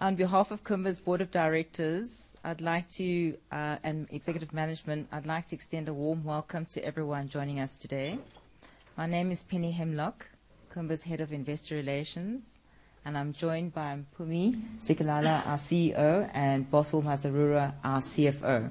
On behalf of Kumba's Board of Directors, and Executive Management, I'd like to extend a warm welcome to everyone joining us today. My name is Penny Himlok, Kumba's Head of Investor Relations, and I'm joined by Mpumi Zikalala, our CEO, and Bothwell Mazarura, our CFO.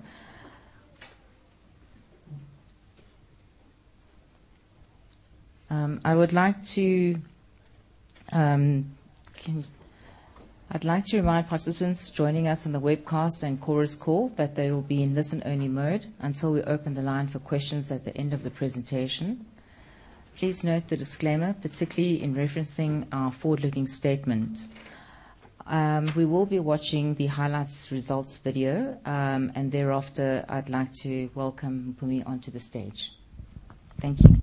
I'd like to remind participants joining us on the webcast and Chorus Call that they will be in listen-only mode until we open the line for questions at the end of the presentation. Please note the disclaimer, particularly in referencing our forward-looking statement. We will be watching the highlights results video, and thereafter I'd like to welcome Mpumi onto the stage. Thank you.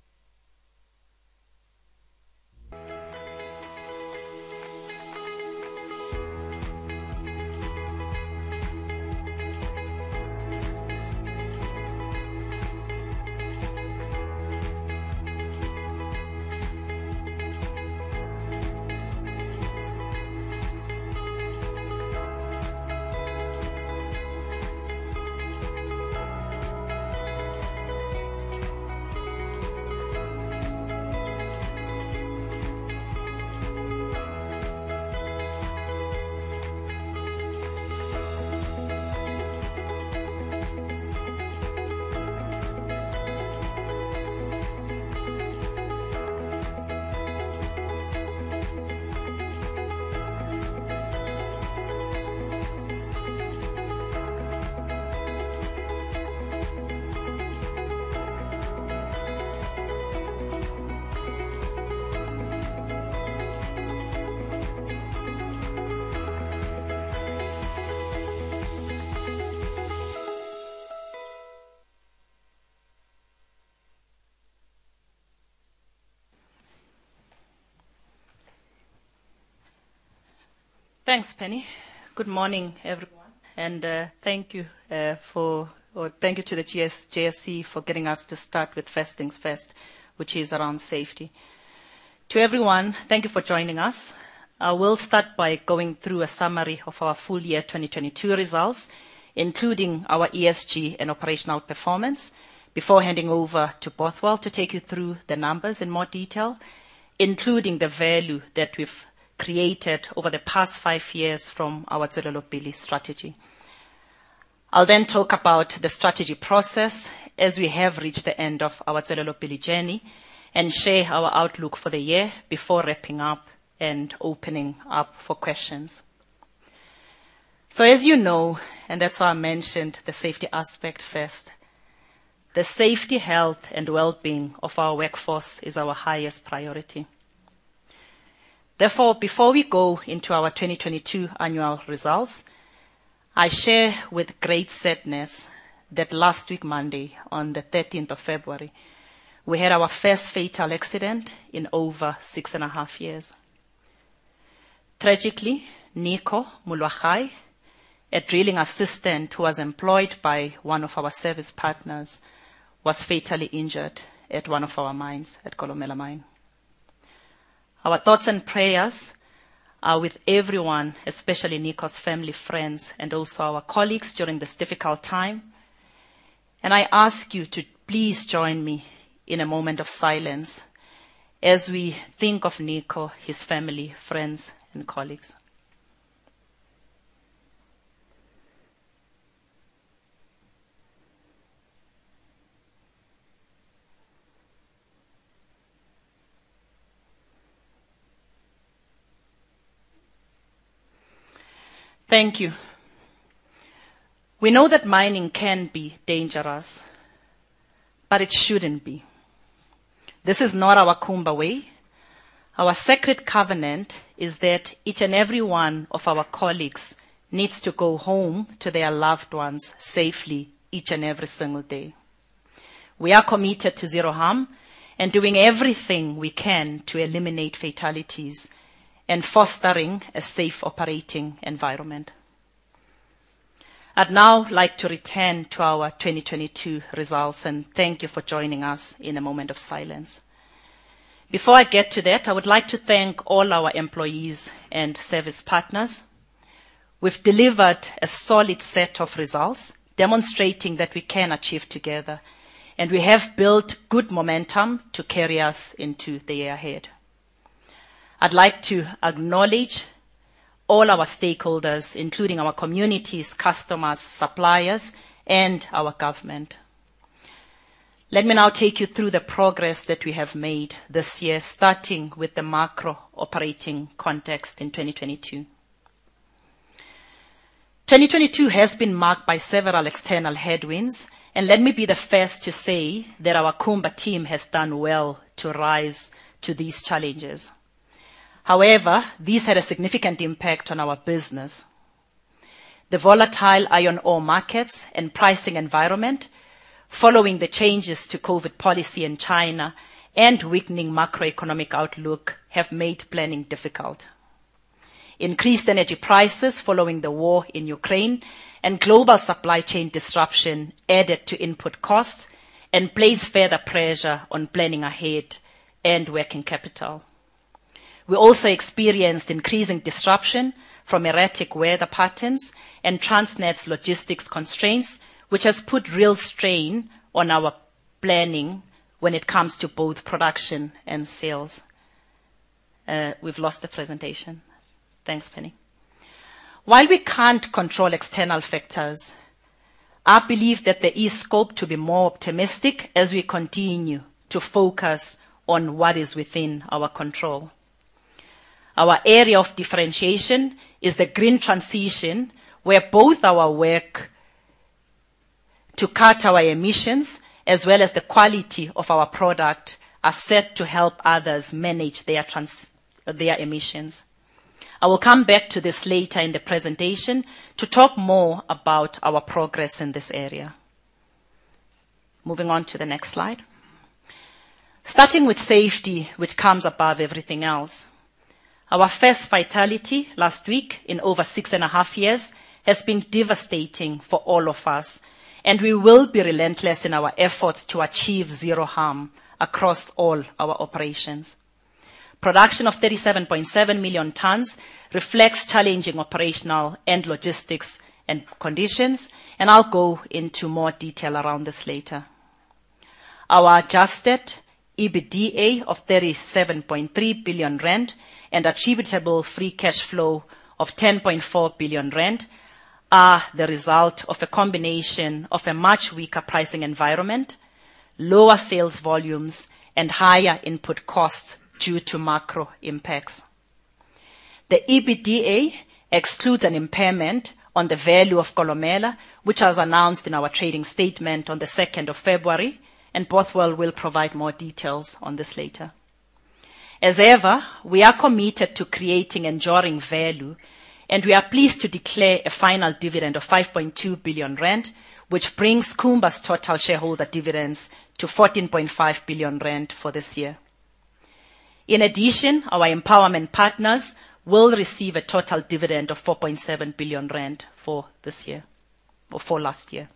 Thanks, Penny. Good morning, everyone, and thank you to the GSC for getting us to start with First Things First, which is around safety. To everyone, thank you for joining us. We'll start by going through a summary of our full year 2022 results, including our ESG and operational performance, before handing over to Bothwell to take you through the numbers in more detail, including the value that we've created over the past five years from our Tswelelopele strategy. I'll then talk about the strategy process as we have reached the end of our Tswelelopele journey and share our outlook for the year before wrapping up and opening up for questions. As you know, and that's why I mentioned the safety aspect first, the safety, health, and well-being of our workforce is our highest priority. Therefore, before we go into our 2022 annual results, I share with great sadness that last week Monday, on the 13th of February, we had our first fatal accident in over 6.5 years. Tragically, Nico Molwagae, a drilling assistant who was employed by one of our service partners, was fatally injured at one of our mines at Kolomela mine. Our thoughts and prayers are with everyone, especially Nico's family, friends, and also our colleagues during this difficult time, and I ask you to please join me in a moment of silence as we think of Nico, his family, friends, and colleagues. Thank you. We know that mining can be dangerous, but it shouldn't be. This is not our Kumba way. Our sacred covenant is that each and every one of our colleagues needs to go home to their loved ones safely each and every single day. We are committed to zero harm and doing everything we can to eliminate fatalities and fostering a safe operating environment. I'd now like to return to our 2022 results. Thank you for joining us in a moment of silence. Before I get to that, I would like to thank all our employees and service partners. We've delivered a solid set of results demonstrating that we can achieve together, and we have built good momentum to carry us into the year ahead. I'd like to acknowledge all our stakeholders, including our communities, customers, suppliers, and our government. Let me now take you through the progress that we have made this year, starting with the macro operating context in 2022. 2022 has been marked by several external headwinds, and let me be the first to say that our Kumba team has done well to rise to these challenges. However, these had a significant impact on our business. The volatile iron ore markets and pricing environment, following the changes to COVID policy in China and weakening macroeconomic outlook, have made planning difficult. Increased energy prices following the war in Ukraine and global supply chain disruption added to input costs and place further pressure on planning ahead and working capital. We also experienced increasing disruption from erratic weather patterns and transnational logistics constraints, which has put real strain on our planning when it comes to both production and sales. We've lost the presentation. Thanks, Penny. While we can't control external factors, I believe that there is scope to be more optimistic as we continue to focus on what is within our control. Our area of differentiation is the green transition, where both our work to cut our emissions as well as the quality of our product are set to help others manage their emissions. I will come back to this later in the presentation to talk more about our progress in this area. Moving on to the next slide. Starting with safety, which comes above everything else, our first fatality last week in over six and a half years has been devastating for all of us. We will be relentless in our efforts to achieve zero harm across all our operations. Production of 37.7 million tons reflects challenging operational and logistics conditions. I'll go into more detail around this later. Our adjusted EBITDA of 37.3 billion rand and attributable free cash flow of 10.4 billion rand are the result of a combination of a much weaker pricing environment, lower sales volumes, and higher input costs due to macro impacts. The EBITDA excludes an impairment on the value of Kolomela, which was announced in our trading statement on the 2nd of February. Bothwell will provide more details on this later. As ever, we are committed to creating enduring value. We are pleased to declare a final dividend of 5.2 billion rand, which brings Kumba's total shareholder dividends to 14.5 billion rand for this year. In addition, our empowerment partners will receive a total dividend of 4.7 billion rand for this year, or for last year.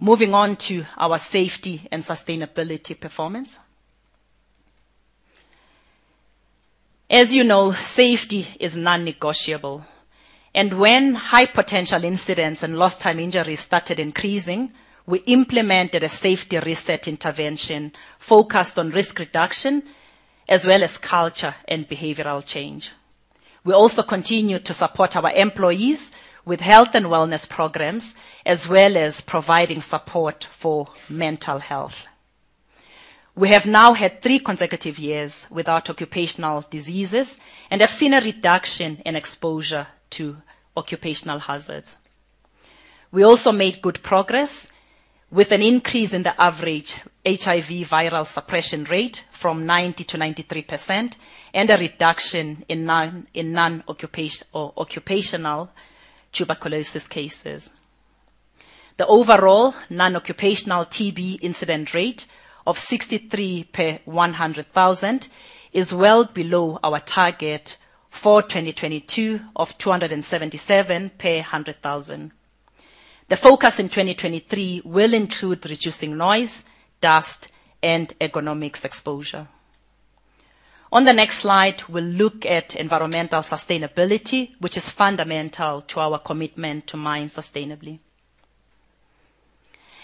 Moving on to our safety and sustainability performance. As you know, safety is non-negotiable. When high-potential incidents and lost-time injuries started increasing, we implemented a safety reset intervention focused on risk reduction as well as culture and behavioral change. We also continue to support our employees with health and wellness programs as well as providing support for mental health. We have now had three consecutive years without occupational diseases and have seen a reduction in exposure to occupational hazards. We also made good progress with an increase in the average HIV viral suppression rate from 90%-93% and a reduction in occupational tuberculosis cases. The overall non-occupational TB incident rate of 63 per 100,000 is well below our target for 2022 of 277 per 100,000. The focus in 2023 will include reducing noise, dust, and ergonomics exposure. On the next slide, we'll look at environmental sustainability, which is fundamental to our commitment to mine sustainably.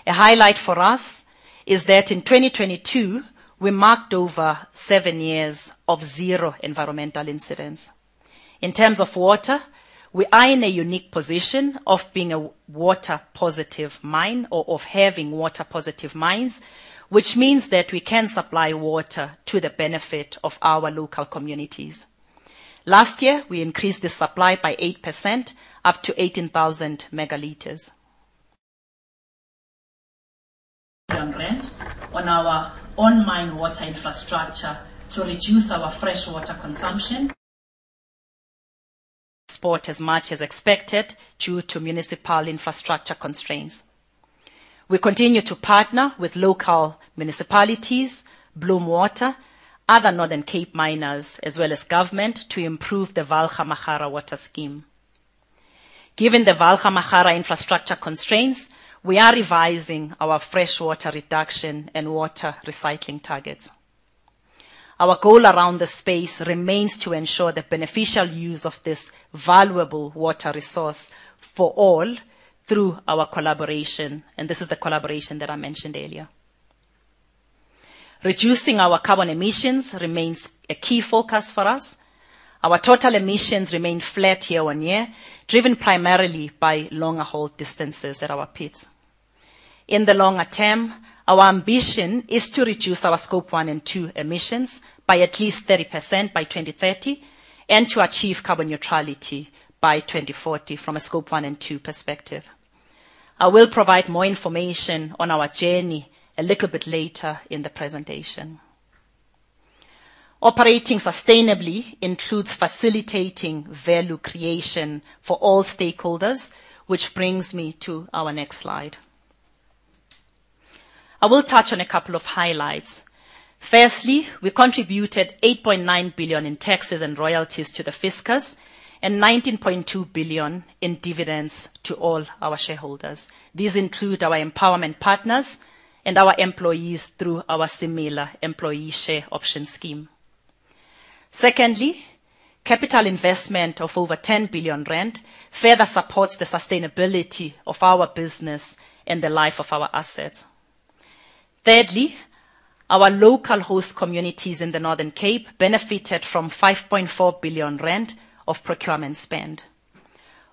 A highlight for us is that in 2022, we marked over seven years of zero environmental incidents. In terms of water, we are in a unique position of being a water-positive mine or of having water-positive mines, which means that we can supply water to the benefit of our local communities. Last year, we increased the supply by 8%, up to 18,000 ML. Million rand on our on-mine water infrastructure to reduce our freshwater consumption. Export as much as expected due to municipal infrastructure constraints. We continue to partner with local municipalities, Bloem Water, other Northern Cape miners, as well as government to improve the Vaal Gamagara water scheme. Given the Vaal Gamagara infrastructure constraints, we are revising our freshwater reduction and water recycling targets. Our goal around this space remains to ensure the beneficial use of this valuable water resource for all through our collaboration, and this is the collaboration that I mentioned earlier. Reducing our carbon emissions remains a key focus for us. Our total emissions remain flat year-on-year, driven primarily by longer hold distances at our pits. In the longer term, our ambition is to reduce our Scope 1 and 2 emissions by at least 30% by 2030 and to achieve carbon neutrality by 2040 from a Scope 1 and 2 perspective. I will provide more information on our journey a little bit later in the presentation. Operating sustainably includes facilitating value creation for all stakeholders, which brings me to our next slide. I will touch on a couple of highlights. Firstly, we contributed 8.9 billion in taxes and royalties to the fiscus and 19.2 billion in dividends to all our shareholders. These include our empowerment partners and our employees through our Envision employee share option scheme. Secondly, capital investment of over 10 billion rand further supports the sustainability of our business and the life of our assets. Thirdly, our local host communities in the Northern Cape benefited from 5.4 billion rand of procurement spend.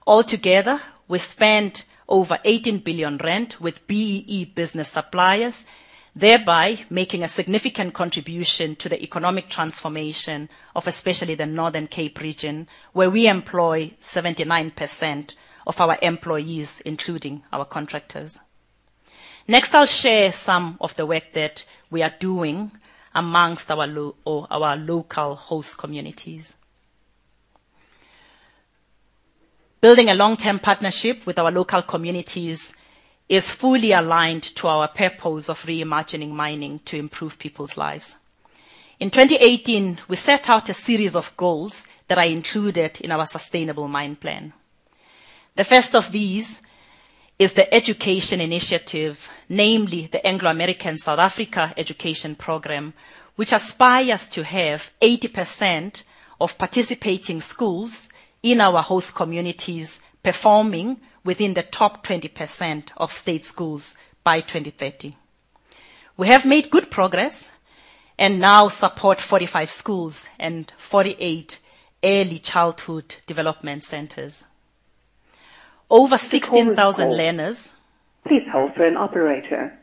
Altogether, we spent over 18 billion rand with BEE business suppliers, thereby making a significant contribution to the economic transformation of especially the Northern Cape region, where we employ 79% of our employees, including our contractors. I'll share some of the work that we are doing amongst our local host communities. Building a long-term partnership with our local communities is fully aligned to our purpose of reimagining mining to improve people's lives. In 2018, we set out a series of goals that are included in our sustainable mine plan. The first of these is the education initiative, namely the Anglo American South Africa Education Programme, which aspires to have 80% of participating schools in our host communities performing within the top 20% of state schools by 2030. We have made good progress. Now support 45 schools and 48 early childhood development centers. Over 16,000 learners. Please hold for an operator.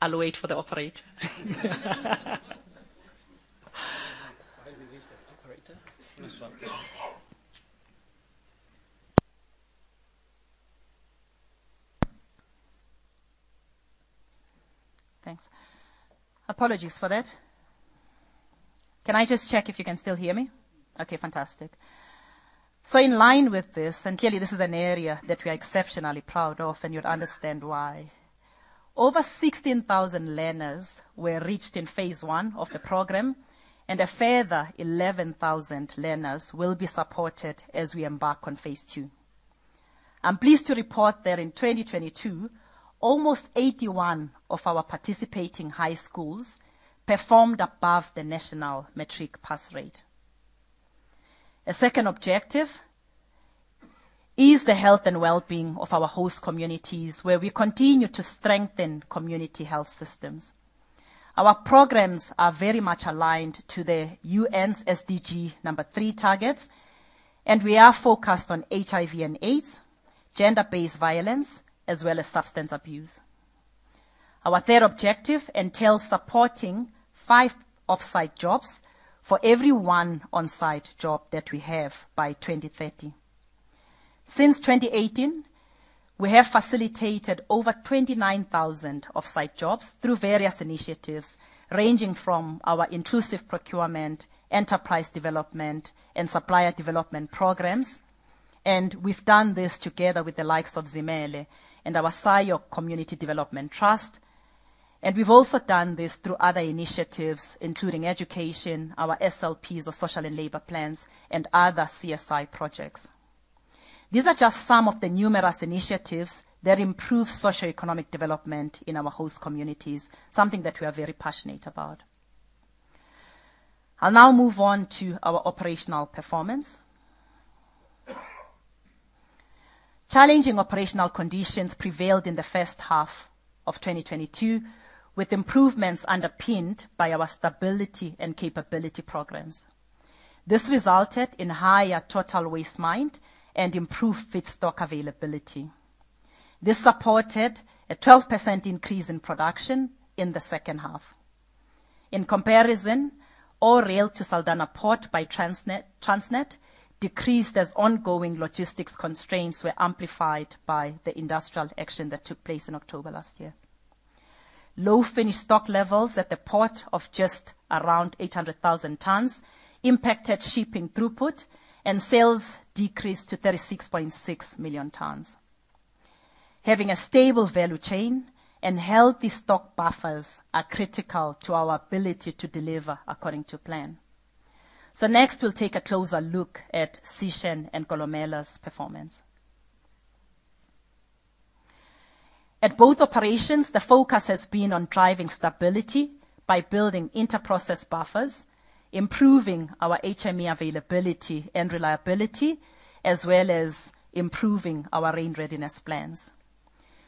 I'll wait for the operator. I'll release the operator. Next one. Thanks. Apologies for that. Can I just check if you can still hear me? Okay, fantastic. In line with this, and clearly, this is an area that we are exceptionally proud of, and you'd understand why, over 16,000 learners were reached in phase 1 of the program, and a further 11,000 learners will be supported as we embark on Phase 2. I'm pleased to report that in 2022, almost 81 of our participating high schools performed above the national metric pass rate. A second objective is the health and well-being of our host communities, where we continue to strengthen community health systems. Our programs are very much aligned to the UN's SDG 3 targets, and we are focused on HIV and AIDS, gender-based violence, as well as substance abuse. Our third objective entails supporting five offsite jobs for every one onsite job that we have by 2030. Since 2018, we have facilitated over 29,000 offsite jobs through various initiatives ranging from our inclusive procurement, enterprise development, and supplier development programs. We've done this together with the likes of Zimele and our SIOC Community Development Trust. We've also done this through other initiatives including education, our SLPs or social and labor plans, and other CSI projects. These are just some of the numerous initiatives that improve socioeconomic development in our host communities, something that we are very passionate about. I'll now move on to our operational performance. Challenging operational conditions prevailed in the first half of 2022, with improvements underpinned by our stability and capability programs. This resulted in higher total waste mine and improved feedstock availability. This supported a 12% increase in production in the second half. In comparison, oil rail to Saldanha port by Transnet decreased as ongoing logistics constraints were amplified by the industrial action that took place in October last year. Low finished stock levels at the port of just around 800,000 tons impacted shipping throughput and sales decreased to 36.6 million tons. Having a stable value chain and healthy stock buffers are critical to our ability to deliver according to plan. Next, we'll take a closer look at Sishen and Kolomela's performance. At both operations, the focus has been on driving stability by building interprocess buffers, improving our HME availability and reliability, as well as improving our rain readiness plans.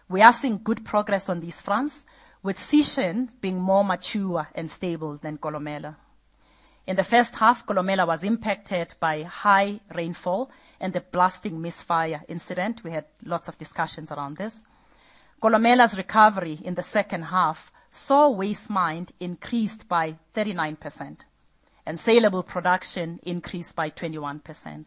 We are seeing good progress on these fronts, with Sishen being more mature and stable than Kolomela. In the first half, Kolomela was impacted by high rainfall and the blasting misfire incident, we had lots of discussions around this, Kolomela's recovery in the second half saw waste mine increased by 39% and sailable production increased by 21%.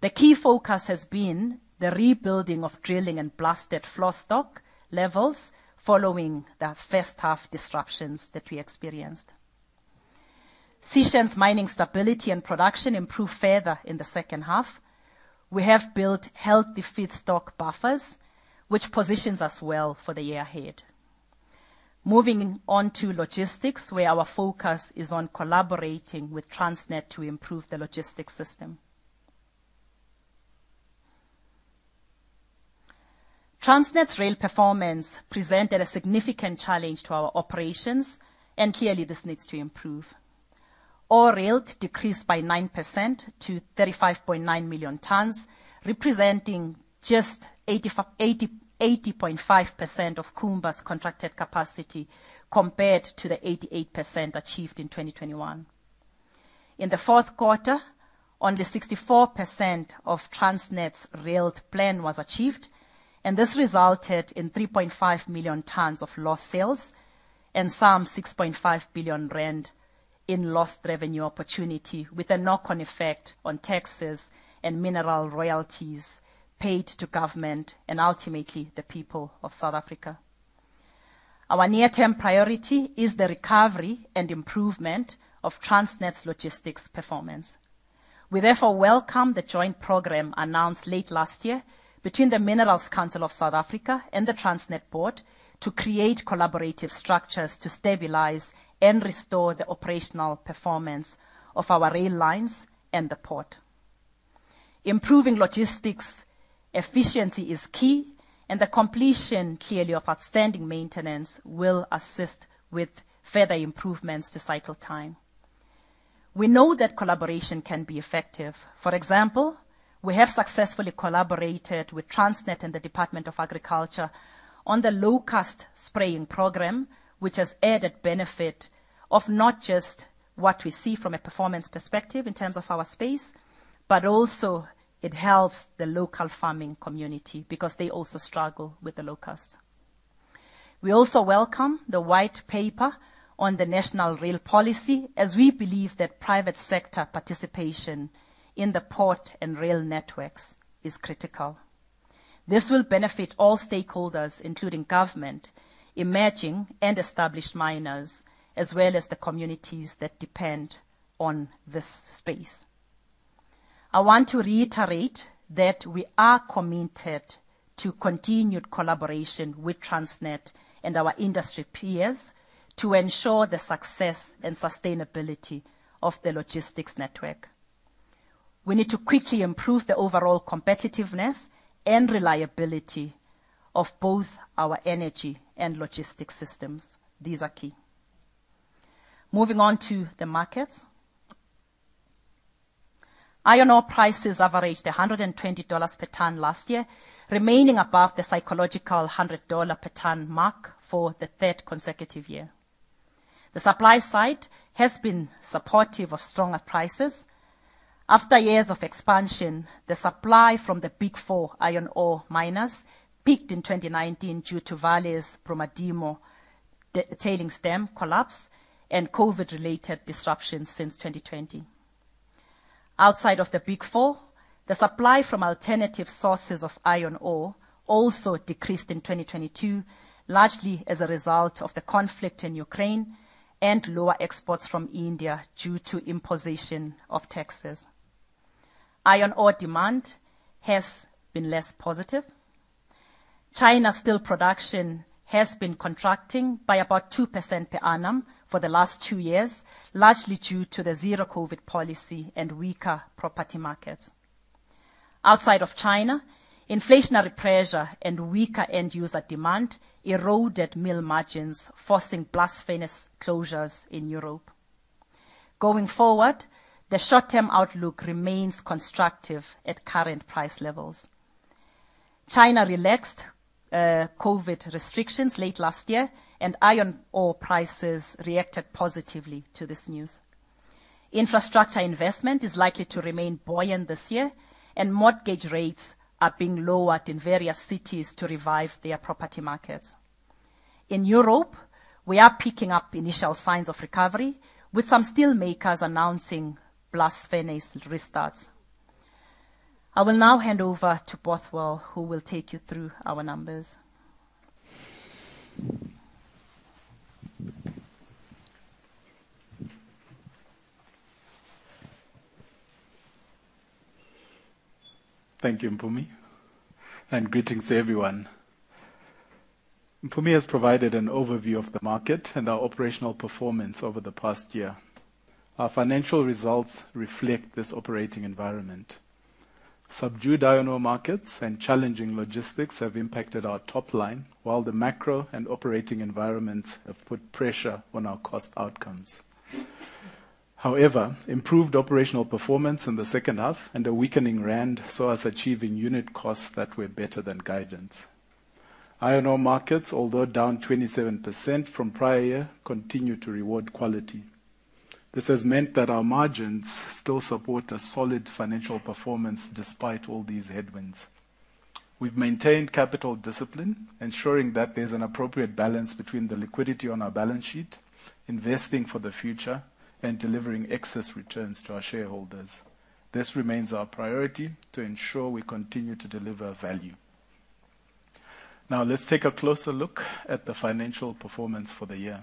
The key focus has been the rebuilding of drilling and blasted floor stock levels following the first half disruptions that we experienced. Sishen's mining stability and production improved further in the second half. We have built healthy feedstock buffers, which positions us well for the year ahead. Moving on to logistics, where our focus is on collaborating with Transnet to improve the logistics system. Transnet's rail performance presented a significant challenge to our operations. Clearly, this needs to improve. Oil rail decreased by 9% to 35.9 million tons, representing just 80.5% of Kumba's contracted capacity compared to the 88% achieved in 2021. In the fourth quarter, only 64% of Transnet's rail plan was achieved, this resulted in 3.5 million tons of lost sales and some 6.5 billion rand in lost revenue opportunity, with a knock-on effect on taxes and mineral royalties paid to government and ultimately the people of South Africa. Our near-term priority is the recovery and improvement of Transnet's logistics performance. We therefore welcome the joint program announced late last year between the Minerals Council South Africa and the Transnet board to create collaborative structures to stabilize and restore the operational performance of our rail lines and the port. Improving logistics efficiency is key, the completion clearly of outstanding maintenance will assist with further improvements to cycle time. We know that collaboration can be effective. For example, we have successfully collaborated with Transnet and the Department of Agriculture on the locust spraying program, which has added benefit of not just what we see from a performance perspective in terms of our space, but also it helps the local farming community because they also struggle with the locust. We also welcome the white paper on the national rail policy, as we believe that private sector participation in the port and rail networks is critical. This will benefit all stakeholders, including government, emerging, and established miners, as well as the communities that depend on this space. I want to reiterate that we are committed to continued collaboration with Transnet and our industry peers to ensure the success and sustainability of the logistics network. We need to quickly improve the overall competitiveness and reliability of both our energy and logistics systems. These are key. Moving on to the markets. Iron ore prices averaged $120 per ton last year, remaining above the psychological $100 per ton mark for the third consecutive year. The supply side has been supportive of stronger prices. After years of expansion, the supply from the Big Four iron ore miners peaked in 2019 due to Vale's Brumadinho tailings dam collapse and COVID-related disruptions since 2020. Outside of the Big Four, the supply from alternative sources of iron ore also decreased in 2022, largely as a result of the conflict in Ukraine and lower exports from India due to imposition of taxes. Iron ore demand has been less positive. China steel production has been contracting by about 2% per annum for the last two years, largely due to the zero COVID policy and weaker property markets. Outside of China, inflationary pressure and weaker end-user demand eroded mill margins, forcing blast furnace closures in Europe. Going forward, the short-term outlook remains constructive at current price levels. China relaxed COVID restrictions late last year, and iron ore prices reacted positively to this news. Infrastructure investment is likely to remain buoyant this year, and mortgage rates are being lowered in various cities to revive their property markets. In Europe, we are picking up initial signs of recovery, with some steelmakers announcing blast furnace restarts. I will now hand over to Bothwell, who will take you through our numbers. Thank you, Mpumi, and greetings to everyone. Mpumi has provided an overview of the market and our operational performance over the past year. Our financial results reflect this operating environment. Subdued iron ore markets and challenging logistics have impacted our top line, while the macro and operating environments have put pressure on our cost outcomes. However, improved operational performance in the second half and a weakening rand saw us achieving unit costs that were better than guidance. Iron ore markets, although down 27% from prior year, continue to reward quality. This has meant that our margins still support a solid financial performance despite all these headwinds. We've maintained capital discipline, ensuring that there's an appropriate balance between the liquidity on our balance sheet, investing for the future, and delivering excess returns to our shareholders. This remains our priority to ensure we continue to deliver value. Let's take a closer look at the financial performance for the year.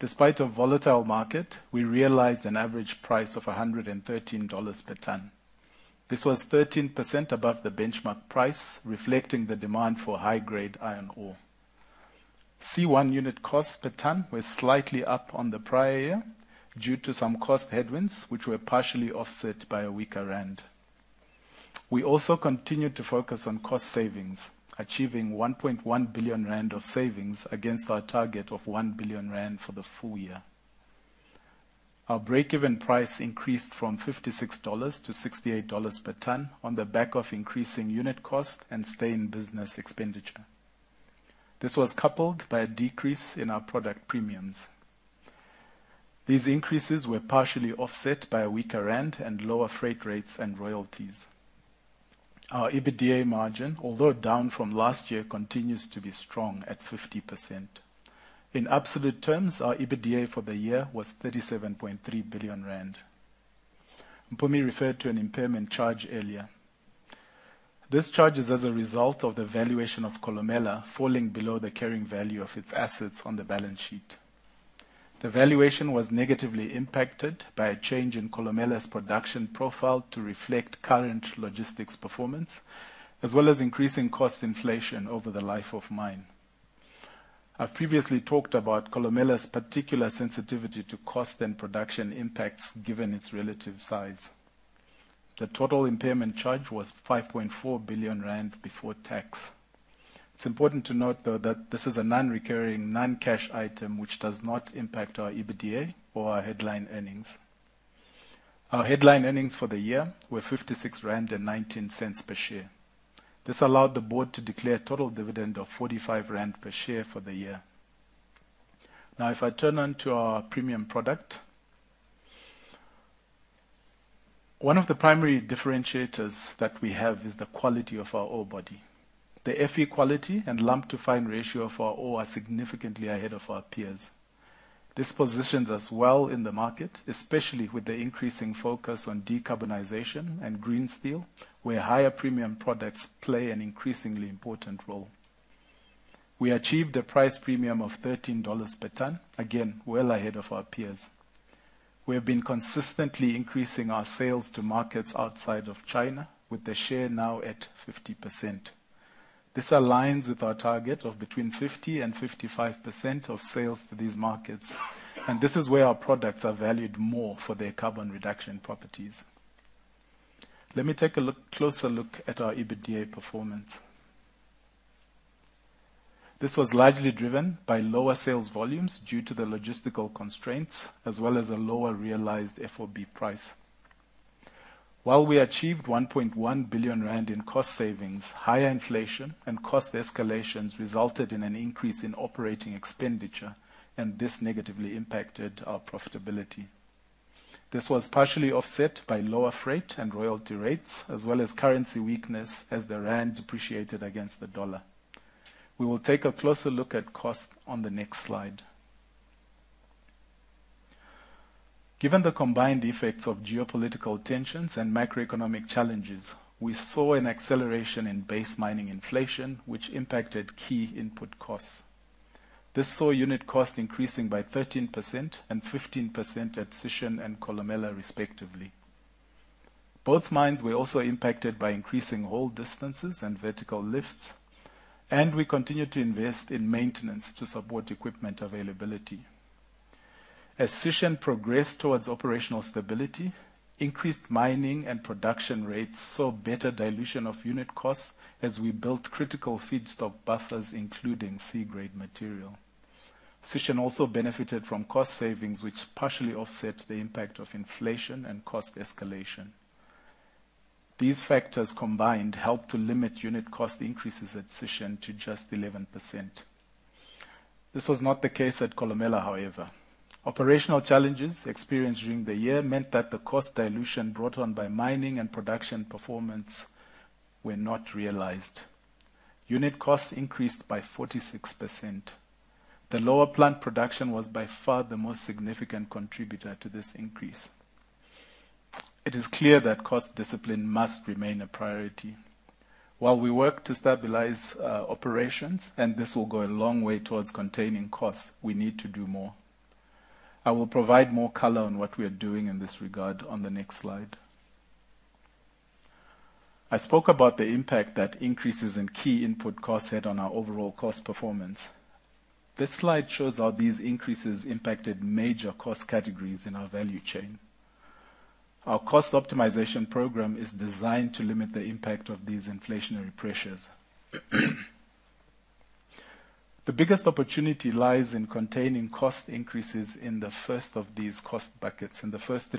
Despite a volatile market, we realized an average price of $113 per ton. This was 13% above the benchmark price, reflecting the demand for high-grade iron ore. C1 unit costs per ton were slightly up on the prior year due to some cost headwinds, which were partially offset by a weaker rand. We also continued to focus on cost savings, achieving 1.1 billion rand of savings against our target of 1 billion rand for the full year. Our break-even price increased from $56 to $68 per ton on the back of increasing unit cost and stay-in-business expenditure. This was coupled by a decrease in our product premiums. These increases were partially offset by a weaker rand and lower freight rates and royalties. Our EBITDA margin, although down from last year, continues to be strong at 50%. In absolute terms, our EBITDA for the year was 37.3 billion rand. Mpumi referred to an impairment charge earlier. This charge is as a result of the valuation of Kolomela falling below the carrying value of its assets on the balance sheet. The valuation was negatively impacted by a change in Kolomela's production profile to reflect current logistics performance, as well as increasing cost inflation over the life of mine. I've previously talked about Kolomela's particular sensitivity to cost and production impacts given its relative size. The total impairment charge was 5.4 billion rand before tax. It's important to note, though, that this is a non-recurring, non-cash item, which does not impact our EBITDA or our headline earnings. Our headline earnings for the year were 56.19 rand per share. This allowed the board to declare a total dividend of 45 rand per share for the year. If I turn on to our premium product. One of the primary differentiators that we have is the quality of our ore body. The FE quality and lump-to-fine ratio of our ore are significantly ahead of our peers. This positions us well in the market, especially with the increasing focus on decarbonization and green steel, where higher premium products play an increasingly important role. We achieved a price premium of $13 per ton, again well ahead of our peers. We have been consistently increasing our sales to markets outside of China, with the share now at 50%. This aligns with our target of between 50% and 55% of sales to these markets. This is where our products are valued more for their carbon reduction properties. Let me take a look closer look at our EBITDA performance. This was largely driven by lower sales volumes due to the logistical constraints, as well as a lower realized FOB price. While we achieved 1.1 billion rand in cost savings, higher inflation and cost escalations resulted in an increase in operating expenditure, and this negatively impacted our profitability. This was partially offset by lower freight and royalty rates, as well as currency weakness as the rand depreciated against the dollar. We will take a closer look at cost on the next slide. Given the combined effects of geopolitical tensions and macroeconomic challenges, we saw an acceleration in base mining inflation, which impacted key input costs. This saw unit cost increasing by 13% and 15% at Sishen and Kolomela, respectively. Both mines were also impacted by increasing hold distances and vertical lifts, and we continue to invest in maintenance to support equipment availability. As Sishen progressed towards operational stability, increased mining and production rates saw better dilution of unit costs as we built critical feedstock buffers, including C-grade material. Sishen also benefited from cost savings, which partially offset the impact of inflation and cost escalation. These factors combined helped to limit unit cost increases at Sishen to just 11%. This was not the case at Kolomela, however. Operational challenges experienced during the year meant that the cost dilution brought on by mining and production performance were not realized. Unit costs increased by 46%. The lower plant production was by far the most significant contributor to this increase. It is clear that cost discipline must remain a priority. While we work to stabilize operations and this will go a long way towards containing costs, we need to do more. I will provide more color on what we are doing in this regard on the next slide. I spoke about the impact that increases in key input costs had on our overall cost performance. This slide shows how these increases impacted major cost categories in our value chain. Our cost optimization program is designed to limit the impact of these inflationary pressures. The biggest opportunity lies in containing cost increases in the first three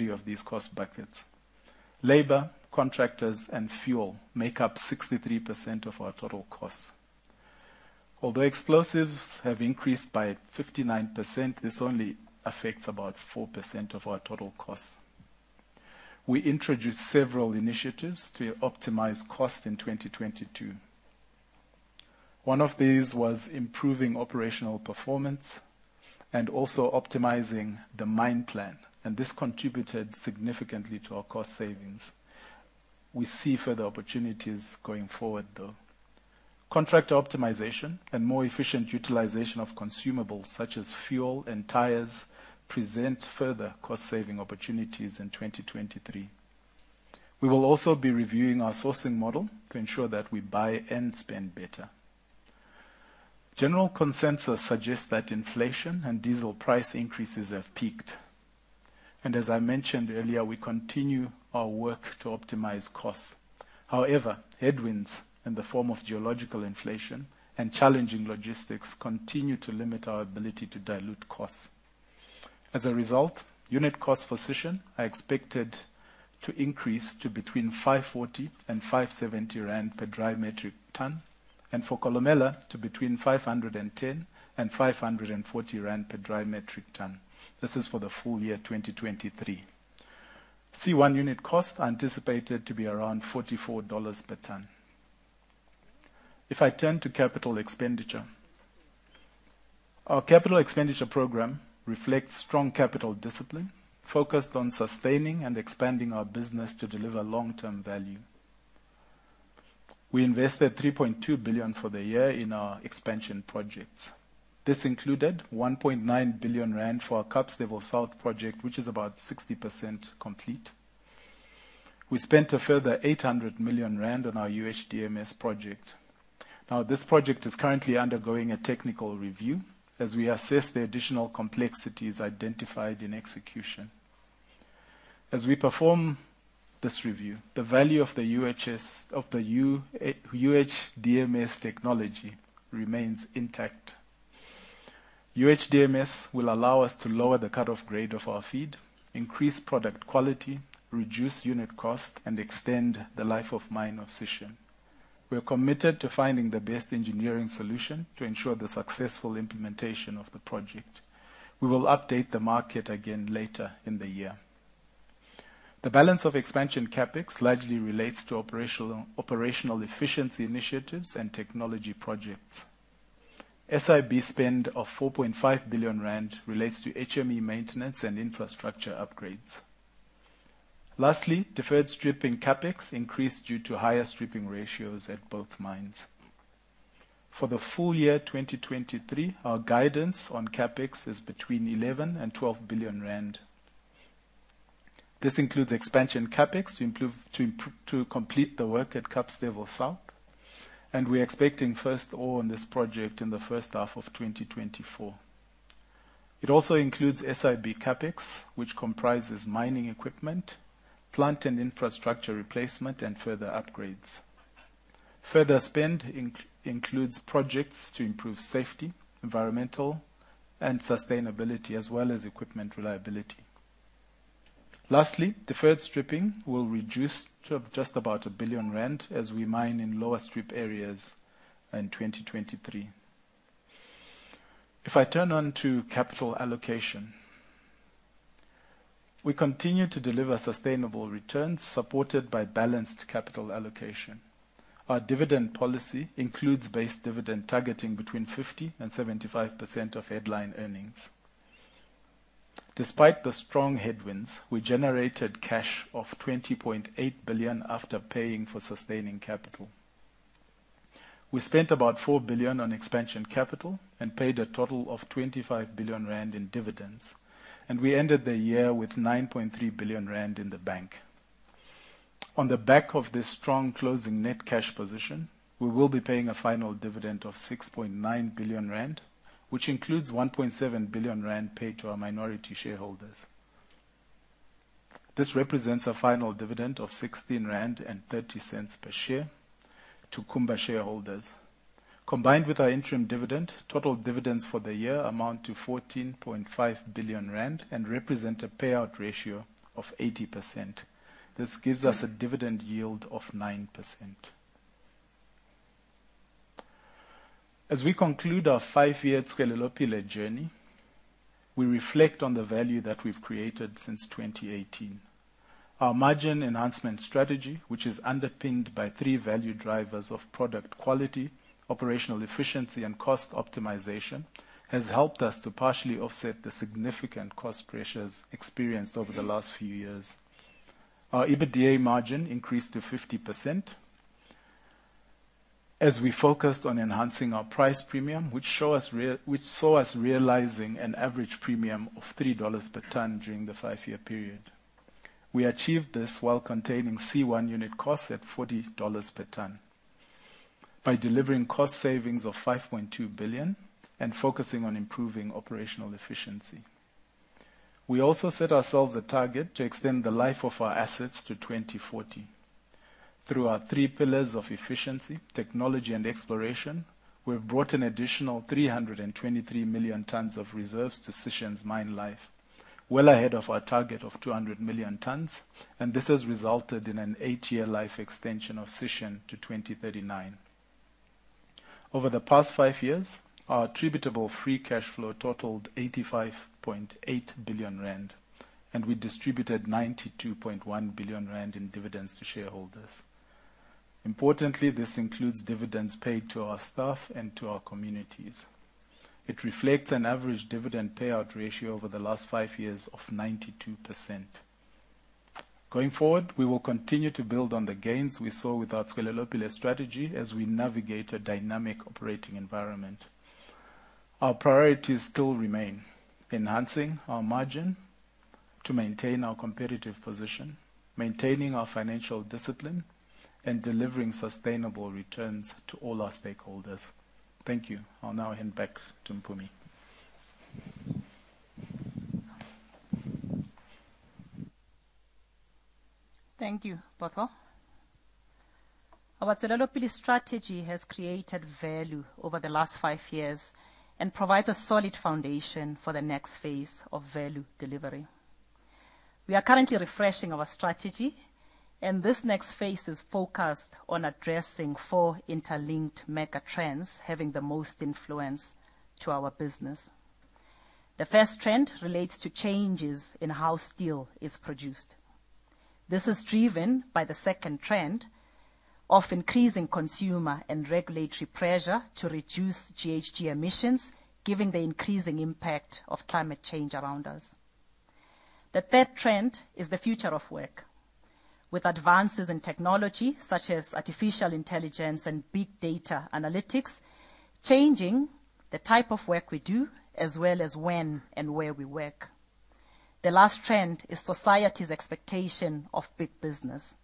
of these cost buckets. Labor, contractors, and fuel make up 63% of our total costs. Although explosives have increased by 59%, this only affects about 4% of our total costs. We introduced several initiatives to optimize costs in 2022. One of these was improving operational performance and also optimizing the mine plan, and this contributed significantly to our cost savings. We see further opportunities going forward, though. Contractor optimization and more efficient utilization of consumables such as fuel and tires present further cost-saving opportunities in 2023. We will also be reviewing our sourcing model to ensure that we buy and spend better. General consensus suggests that inflation and diesel price increases have peaked. As I mentioned earlier, we continue our work to optimize costs. However, headwinds in the form of geological inflation and challenging logistics continue to limit our ability to dilute costs. As a result, unit costs for Sishen are expected to increase to between 540 and 570 rand per dry metric ton, and for Kolomela to between 510 and 540 rand per dry metric ton. This is for the full year 2023. C1 unit costs are anticipated to be around $44 per ton. If I turn to capital expenditure. Our capital expenditure program reflects strong capital discipline focused on sustaining and expanding our business to deliver long-term value. We invested $3.2 billion for the year in our expansion projects. This included 1.9 billion rand for our Kapstevel South project, which is about 60% complete. We spent a further 800 million rand on our UHDMS project. Now, this project is currently undergoing a technical review as we assess the additional complexities identified in execution. As we perform this review, the value of the UHDMS technology remains intact. UHDMS will allow us to lower the cut-off grade of our feed, increase product quality, reduce unit cost, and extend the life of mine of Sishen. We are committed to finding the best engineering solution to ensure the successful implementation of the project. We will update the market again later in the year. The balance of expansion CapEx largely relates to operational efficiency initiatives and technology projects. SIB spend of 4.5 billion rand relates to HME maintenance and infrastructure upgrades. Lastly, deferred stripping CapEx increased due to higher stripping ratios at both mines. For the full year 2023, our guidance on CapEx is between 11 billion and 12 billion rand. This includes expansion CapEx to improve to complete the work at Kapstevel South, and we are expecting first ore on this project in the first half of 2024. It also includes SIB CapEx, which comprises mining equipment, plant and infrastructure replacement, and further upgrades. Further spend includes projects to improve safety, environmental, and sustainability, as well as equipment reliability. Lastly, deferred stripping will reduce to just about 1 billion rand as we mine in lower strip areas in 2023. If I turn on to capital allocation. We continue to deliver sustainable returns supported by balanced capital allocation. Our dividend policy includes base dividend targeting between 50%-75% of headline earnings. Despite the strong headwinds, we generated cash of 20.8 billion after paying for sustaining capital. We spent about 4 billion on expansion capital and paid a total of 25 billion rand in dividends. We ended the year with 9.3 billion rand in the bank. On the back of this strong closing net cash position, we will be paying a final dividend of 6.9 billion rand, which includes 1.7 billion rand paid to our minority shareholders. This represents a final dividend of 16.30 rand per share to Kumba shareholders. Combined with our interim dividend, total dividends for the year amount to 14.5 billion rand and represent a payout ratio of 80%. This gives us a dividend yield of 9%. As we conclude our five-year Tswelelopele journey, we reflect on the value that we've created since 2018. Our margin enhancement strategy, which is underpinned by three value drivers of product quality, operational efficiency, and cost optimization, has helped us to partially offset the significant cost pressures experienced over the last few years. Our EBITDA margin increased to 50% as we focused on enhancing our price premium, which saw us realizing an average premium of $3 per ton during the five-year period. We achieved this while containing C1 unit costs at $40 per ton by delivering cost savings of 5.2 billion and focusing on improving operational efficiency. We also set ourselves a target to extend the life of our assets to 2040. Through our three pillars of efficiency, technology, and exploration, we've brought an additional 323 million tons of reserves to Sishen's mine life, well ahead of our target of 200 million tons, and this has resulted in an eight-year life extension of Sishen to 2039. Over the past five years, our attributable free cash flow totaled 85.8 billion rand, and we distributed 92.1 billion rand in dividends to shareholders. Importantly, this includes dividends paid to our staff and to our communities. It reflects an average dividend payout ratio over the last five years of 92%. Going forward, we will continue to build on the gains we saw with our Tswelelopele strategy as we navigate a dynamic operating environment. Our priorities still remain: enhancing our margin to maintain our competitive position, maintaining our financial discipline, and delivering sustainable returns to all our stakeholders. Thank you. I'll now hand back to Mpumi. Thank you, Bothwell. Our Tswelelopele strategy has created value over the last five years and provides a solid foundation for the next phase of value delivery. We are currently refreshing our strategy, and this next phase is focused on addressing four interlinked megatrends having the most influence to our business. The first trend relates to changes in how steel is produced. This is driven by the second trend of increasing consumer and regulatory pressure to reduce GHG emissions, given the increasing impact of climate change around us. The third trend is the future of work, with advances in technology such as artificial intelligence and big data analytics changing the type of work we do, as well as when and where we work. The last trend is society's expectation of big business.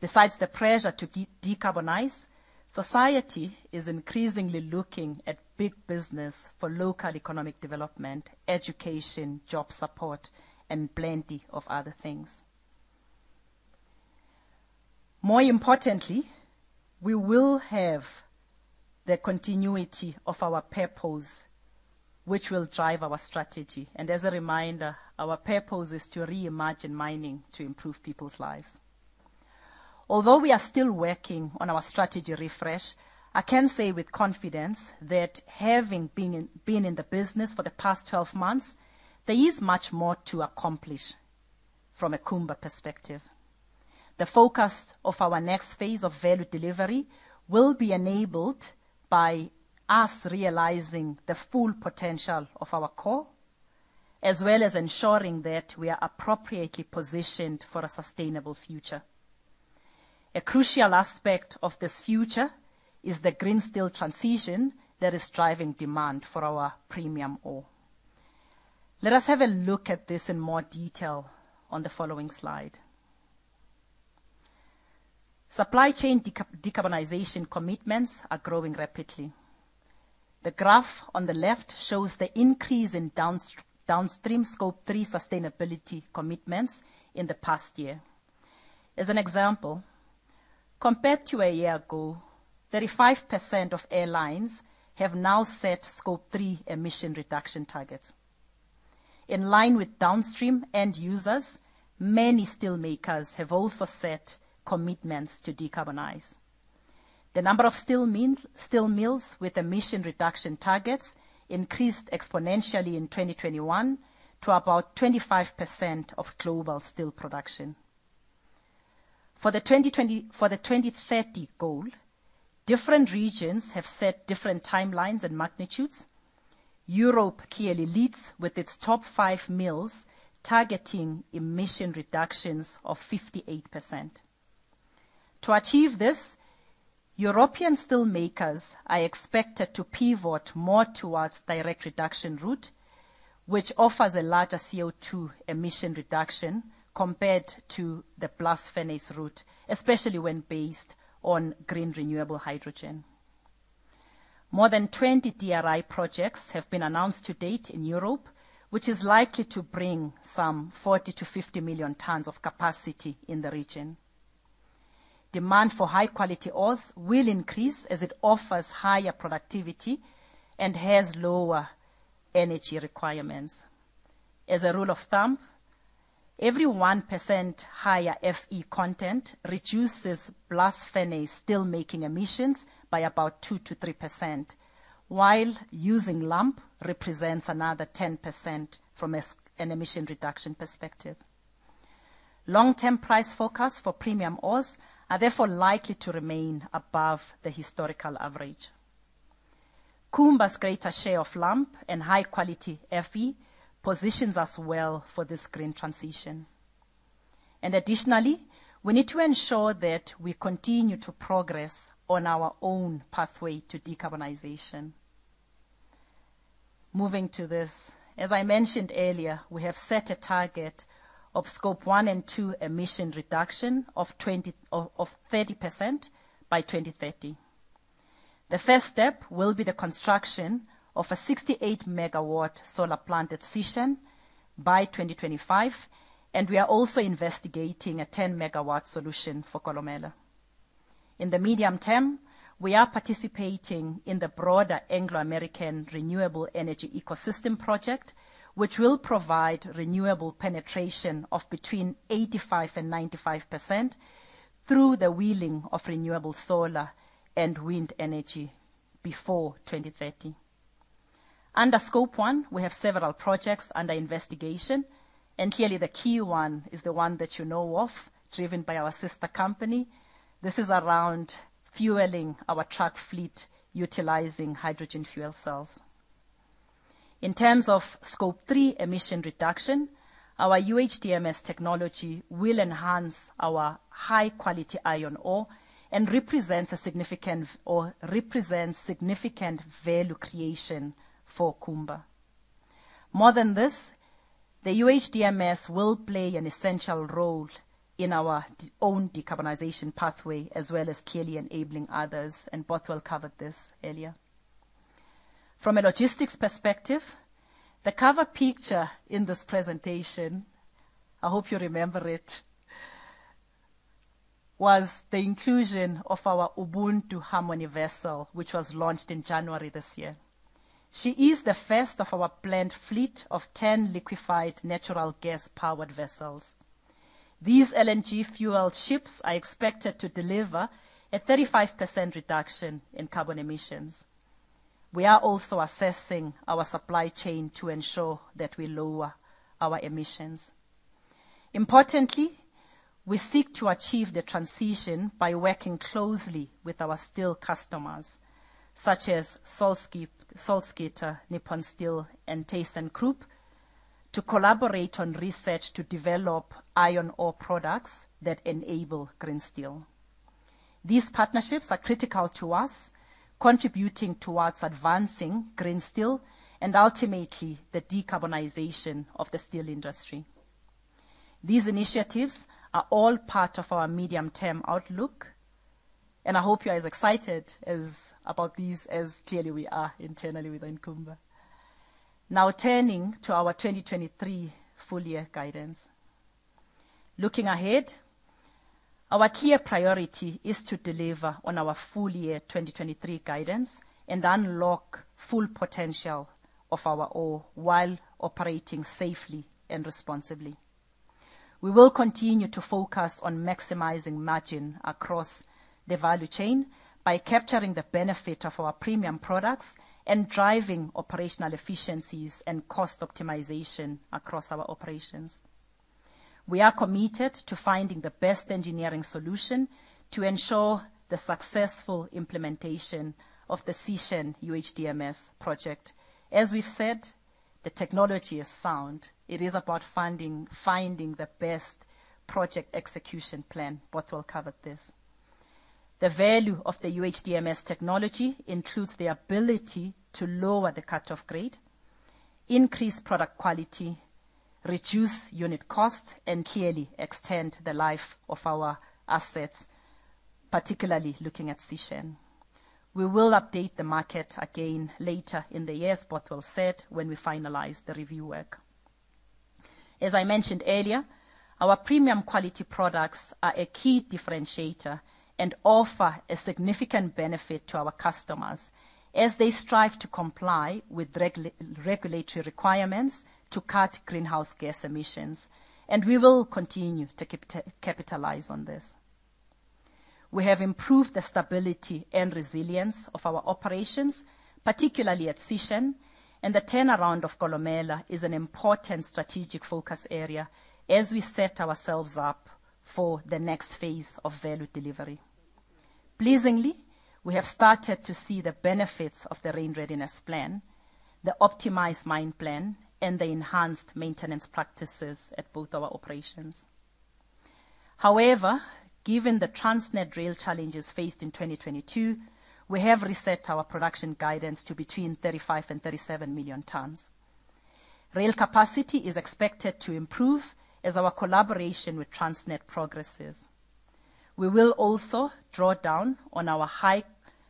Besides the pressure to decarbonize, society is increasingly looking at big business for local economic development, education, job support, and plenty of other things. More importantly, we will have the continuity of our purpose, which will drive our strategy. As a reminder, our purpose is to reimagine mining to improve people's lives. Although we are still working on our strategy refresh, I can say with confidence that having been in the business for the past 12 months, there is much more to accomplish from a Kumba perspective. The focus of our next phase of value delivery will be enabled by us realizing the full potential of our core, as well as ensuring that we are appropriately positioned for a sustainable future. A crucial aspect of this future is the green steel transition that is driving demand for our premium ore. Let us have a look at this in more detail on the following slide. Supply chain decarbonization commitments are growing rapidly. The graph on the left shows the increase in downstream Scope 3 sustainability commitments in the past year. As an example, compared to a year ago, 35% of airlines have now set Scope 3 emission reduction targets. In line with downstream end users, many steel makers have also set commitments to decarbonize. The number of steel mills with emission reduction targets increased exponentially in 2021 to about 25% of global steel production. For the 2030 goal, different regions have set different timelines and magnitudes. Europe clearly leads with its top 5 mills targeting emission reductions of 58%. To achieve this, European steel makers are expected to pivot more towards the direct reduction route, which offers a larger CO2 emission reduction compared to the blast furnace route, especially when based on green renewable hydrogen. More than 20 DRI projects have been announced to date in Europe, which is likely to bring some 40 million-50 million tons of capacity in the region. Demand for high-quality ores will increase as it offers higher productivity and has lower energy requirements. As a rule of thumb, every 1% higher FE content reduces blast furnace steel making emissions by about 2%-3%, while using lump represents another 10% from an emission reduction perspective. Long-term price focus for premium ores are therefore likely to remain above the historical average. Kumba's greater share of lump and high-quality FE positions us well for this green transition. Additionally, we need to ensure that we continue to progress on our own pathway to decarbonization. Moving to this, as I mentioned earlier, we have set a target of Scope 1 and 2 emission reduction of 30% by 2030. The first step will be the construction of a 68 MW solar plant at Sishen by 2025. We are also investigating a 10 MW solution for Kolomela. In the medium term, we are participating in the broader Anglo American renewable energy ecosystem project, which will provide renewable penetration of between 85%-95% through the wheeling of renewable solar and wind energy before 2030. Under Scope 1, we have several projects under investigation. Clearly the key one is the one that you know of, driven by our sister company. This is around fueling our truck fleet utilizing hydrogen fuel cells. In terms of Scope 3 emission reduction, our UHDMS technology will enhance our high-quality iron ore and represents significant value creation for Kumba. More than this, the UHDMS will play an essential role in our own decarbonization pathway, as well as clearly enabling others. Bothwell covered this earlier. From a logistics perspective, the cover picture in this presentation, I hope you remember it, was the inclusion of our Ubuntu Harmony vessel, which was launched in January this year. She is the first of our planned fleet of 10 liquefied natural gas-powered vessels. These LNG-fueled ships are expected to deliver a 35% reduction in carbon emissions. We are also assessing our supply chain to ensure that we lower our emissions. Importantly, we seek to achieve the transition by working closely with our steel customers, such as Salzgitter, Nippon Steel, and Thyssenkrupp, to collaborate on research to develop iron ore products that enable green steel. These partnerships are critical to us, contributing towards advancing green steel and ultimately the decarbonization of the steel industry. These initiatives are all part of our medium-term outlook, and I hope you are as excited about these as clearly we are internally within Kumba. Turning to our 2023 full-year guidance. Looking ahead, our clear priority is to deliver on our full-year 2023 guidance and unlock full potential of our ore while operating safely and responsibly. We will continue to focus on maximizing margin across the value chain by capturing the benefit of our premium products and driving operational efficiencies and cost optimization across our operations. We are committed to finding the best engineering solution to ensure the successful implementation of the Sishen UHDMS project. As we've said, the technology is sound. It is about finding the best project execution plan. Bothwell covered this. The value of the UHDMS technology includes the ability to lower the cut-off grade, increase product quality, reduce unit costs, and clearly extend the life of our assets, particularly looking at Sishen. We will update the market again later in the years, Bothwell said, when we finalize the review work. As I mentioned earlier, our premium quality products are a key differentiator and offer a significant benefit to our customers as they strive to comply with regulatory requirements to cut greenhouse gas emissions, and we will continue to capitalize on this. We have improved the stability and resilience of our operations, particularly at Sishen, and the turnaround of Kolomela is an important strategic focus area as we set ourselves up for the next phase of value delivery. Pleasingly, we have started to see the benefits of the rain readiness plan, the optimized mine plan, and the enhanced maintenance practices at both our operations. However, given the Transnet rail challenges faced in 2022, we have reset our production guidance to between 35 million and 37 million tons. Rail capacity is expected to improve as our collaboration with Transnet progresses. We will also draw down on our high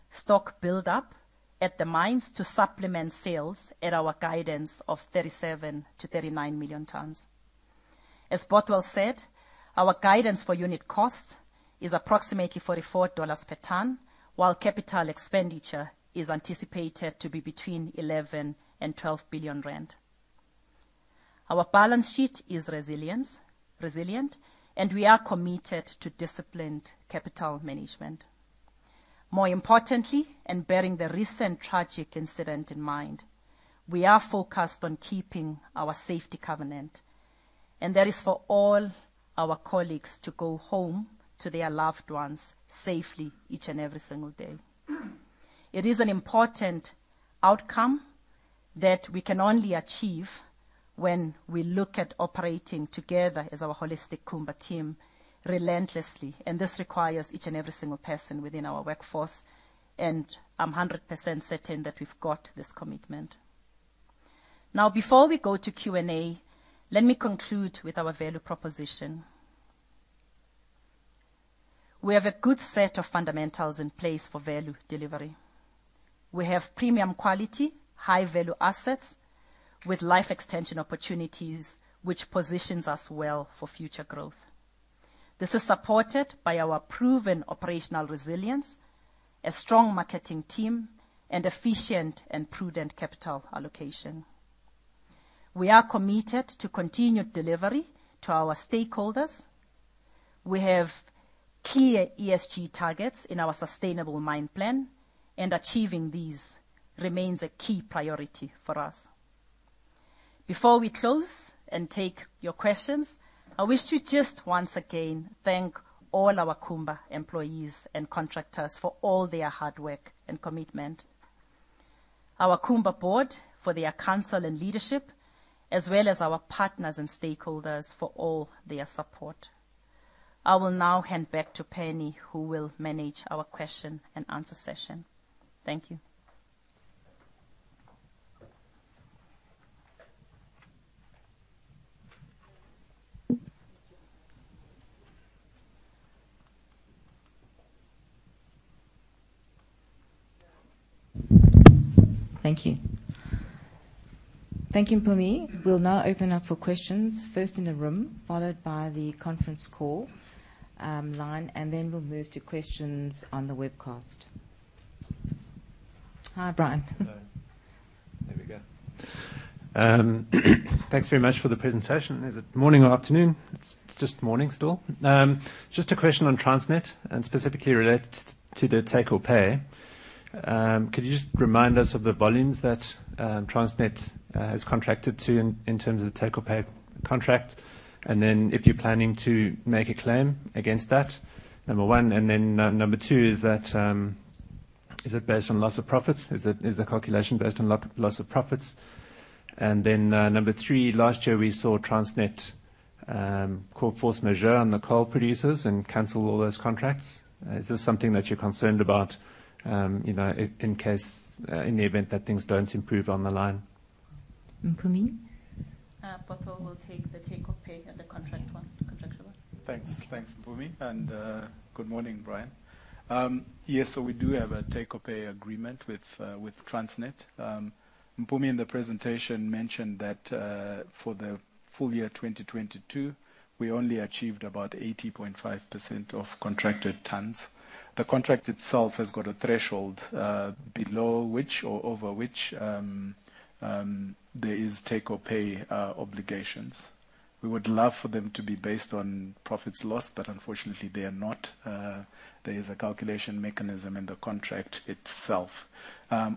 stock buildup at the mines to supplement sales at our guidance of 37 million-39 million tons. As Bothwell said, our guidance for unit costs is approximately $44 per ton, while capital expenditure is anticipated to be between 11 billion and 12 billion rand. Our balance sheet is resilient, and we are committed to disciplined capital management. More importantly, and bearing the recent tragic incident in mind, we are focused on keeping our safety covenant, and that is for all our colleagues to go home to their loved ones safely each and every single day. It is an important outcome that we can only achieve when we look at operating together as our holistic Kumba team relentlessly, and this requires each and every single person within our workforce, and I'm 100% certain that we've got this commitment. Before we go to Q&A, let me conclude with our value proposition. We have a good set of fundamentals in place for value delivery. We have premium quality, high-value assets with life extension opportunities, which positions us well for future growth. This is supported by our proven operational resilience, a strong marketing team, and efficient and prudent capital allocation. We are committed to continued delivery to our stakeholders. We have clear ESG targets in our sustainable mine plan, and achieving these remains a key priority for us. Before we close and take your questions, I wish to just once again thank all our Kumba employees and contractors for all their hard work and commitment, our Kumba board for their council and leadership, as well as our partners and stakeholders for all their support. I will now hand back to Penny, who will manage our question-and-answer session. Thank you. Thank you. Thank you, Mpumi. We'll now open up for questions, first in the room, followed by the conference call line, and then we'll move to questions on the webcast. Hi, Brian. Hello there. There we go. Thanks very much for the presentation. Is it morning or afternoon? It's just morning still. Just a question on Transnet and specifically related to the take-or-pay. Could you just remind us of the volumes that Transnet has contracted to in terms of the take-or-pay contract, if you're planning to make a claim against that, number one? Number two, is it based on loss of profits? Is the calculation based on loss of profits? Number three, last year we saw Transnet call force majeure on the coal producers and cancel all those contracts. Is this something that you're concerned about in the event that things don't improve on the line? Mpumi? Bothwell will take the take-or-pay and the contract one, the contractual one. Thanks. Thanks, Mpumi, and good morning, Brian. Yes, we do have a take-or-pay agreement with Transnet. Mpumi in the presentation mentioned that for the full year 2022, we only achieved about 80.5% of contracted tons. The contract itself has got a threshold below which or over which there are take-or-pay obligations. We would love for them to be based on profits lost, but unfortunately, they are not. There is a calculation mechanism in the contract itself.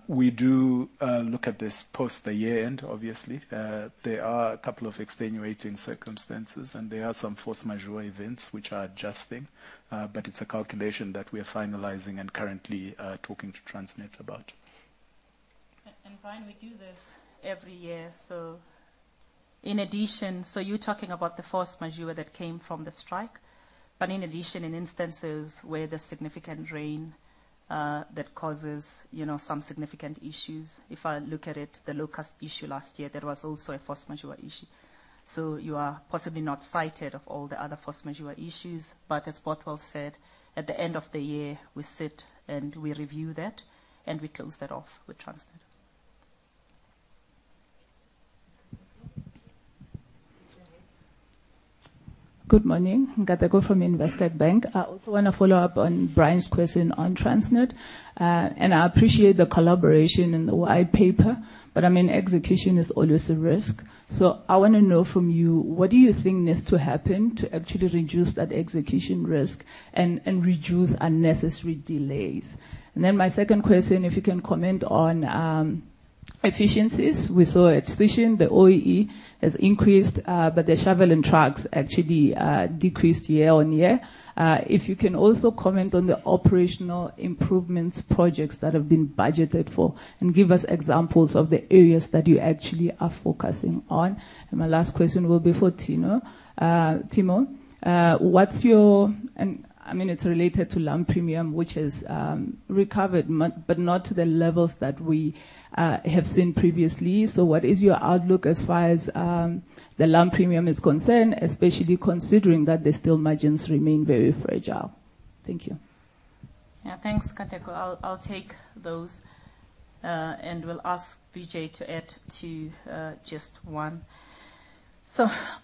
We do look at this post the year-end, obviously. There are a couple of extenuating circumstances, and there are some force majeure events which are adjusting, but it's a calculation that we are finalizing and currently talking to Transnet about. Brian, we do this every year, in addition, you're talking about the force majeure that came from the strike, in addition, in instances where there's significant rain that causes some significant issues. If I look at it, the low-cost issue last year, there was also a force majeure issue. You are possibly not cited of all the other force majeure issues, as Bothwell said, at the end of the year, we sit and we review that, and we close that off with Transnet. Good morning. I'm Nkateko from Investec Bank. I also want to follow up on Brian's question on Transnet, I appreciate the collaboration and the white paper, but I mean, execution is always a risk. I want to know from you, what do you think needs to happen to actually reduce that execution risk and reduce unnecessary delays? My second question, if you can comment on efficiencies. We saw at Sishen, the OEE has increased, but the shoveling trucks actually decreased year-on-year. If you can also comment on the operational improvements projects that have been budgeted for and give us examples of the areas that you actually are focusing on. My last question will be for Timo. Timo, what's your and I mean, it's related to lump premium, which has recovered but not to the levels that we have seen previously. What is your outlook as far as the lump premium is concerned, especially considering that the steel margins remain very fragile? Thank you. Yeah, thanks, Nkateko. I'll take those, and we'll ask Vijay to add to just one.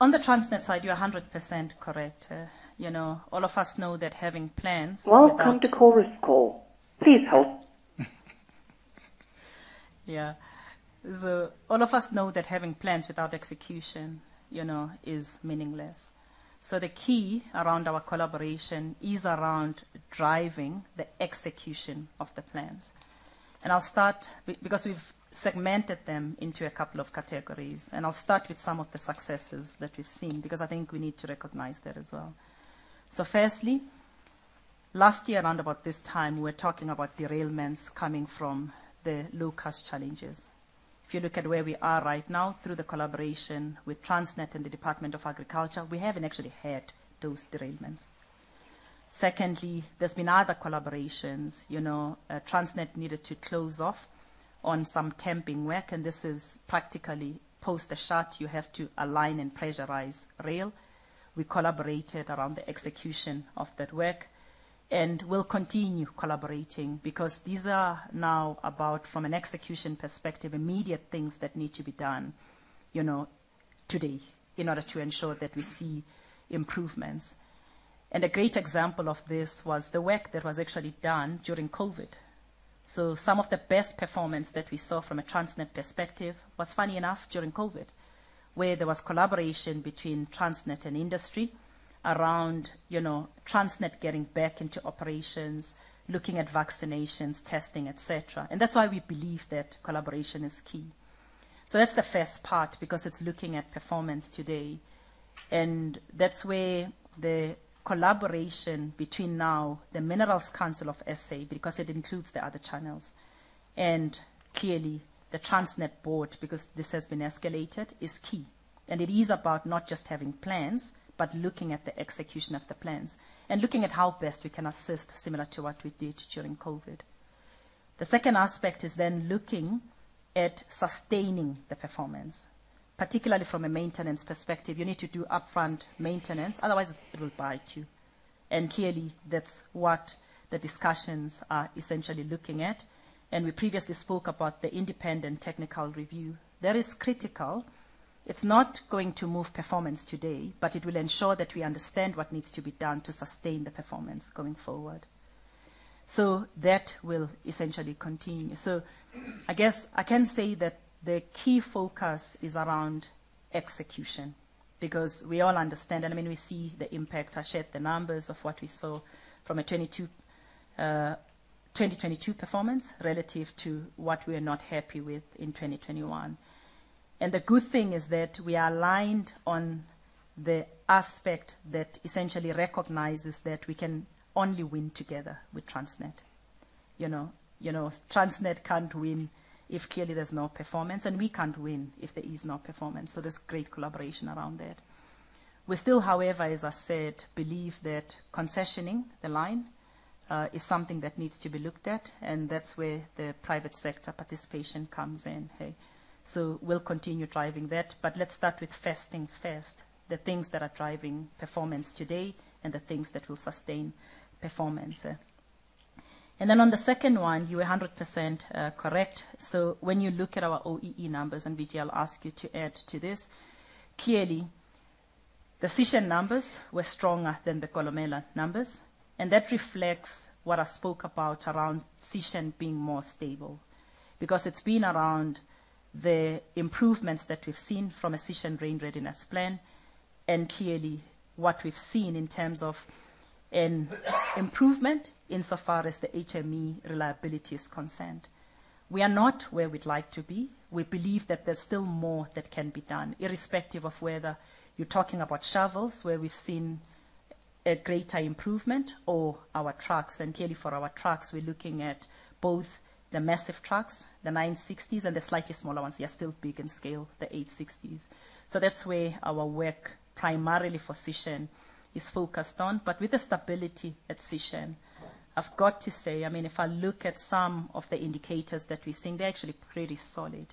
On the Transnet side, you're 100% correct. All of us know that having plans without. Welcome to Chorus Call. Please, hold on. Yeah. All of us know that having plans without execution is meaningless. The key around our collaboration is around driving the execution of the plans. I'll start because we've segmented them into a couple of categories, and I'll start with some of the successes that we've seen because I think we need to recognize that as well. Firstly, last year around about this time, we were talking about derailments coming from the low-cost challenges. If you look at where we are right now through the collaboration with Transnet and the Department of Agriculture, we haven't actually had those derailments. Secondly, there's been other collaborations. Transnet needed to close off on some tamping work, and this is practically post the shut; you have to align and pressurize rail. We collaborated around the execution of that work and will continue collaborating because these are now about, from an execution perspective, immediate things that need to be done today in order to ensure that we see improvements. A great example of this was the work that was actually done during COVID. Some of the best performance that we saw from a Transnet perspective was, funny enough, during COVID, where there was collaboration between Transnet and industry around Transnet getting back into operations, looking at vaccinations, testing, etc. That's why we believe that collaboration is key. That's the first part because it's looking at performance today, and that's where the collaboration between now the Minerals Council of SA, because it includes the other channels, and clearly the Transnet board, because this has been escalated, is key. It is about not just having plans but looking at the execution of the plans and looking at how best we can assist similar to what we did during COVID. The second aspect is then looking at sustaining the performance, particularly from a maintenance perspective. You need to do upfront maintenance. Otherwise, it will bite you. Clearly, that's what the discussions are essentially looking at. We previously spoke about the independent technical review. That is critical. It's not going to move performance today, but it will ensure that we understand what needs to be done to sustain the performance going forward. That will essentially continue. I guess I can say that the key focus is around execution because we all understand, I mean, we see the impact. I shared the numbers of what we saw from a 2022 performance relative to what we are not happy with in 2021. The good thing is that we are aligned on the aspect that essentially recognizes that we can only win together with Transnet. Transnet can't win if clearly there's no performance, and we can't win if there is no performance. There's great collaboration around that. We still, however, as I said, believe that concessioning the line, is something that needs to be looked at, and that's where the private sector participation comes in. We'll continue driving that, but let's start with first things first, the things that are driving performance today and the things that will sustain performance. Then on the second one, you're 100% correct. When you look at our OEE numbers, and Vijay will ask you to add to this, clearly, the Sishen numbers were stronger than the Kolomela numbers, and that reflects what I spoke about around Sishen being more stable because it's been around the improvements that we've seen from a Sishen rain readiness plan and clearly what we've seen in terms of an improvement insofar as the HME reliability is concerned. We are not where we'd like to be. We believe that there's still more that can be done, irrespective of whether you're talking about shovels, where we've seen a greater improvement, or our trucks. Clearly, for our trucks, we're looking at both the massive trucks, the 960s, and the slightly smaller ones. They are still big in scale, the 860s. That's where our work primarily for Sishen is focused on. With the stability at Sishen, I've got to say, I mean, if I look at some of the indicators that we're seeing, they're actually pretty solid.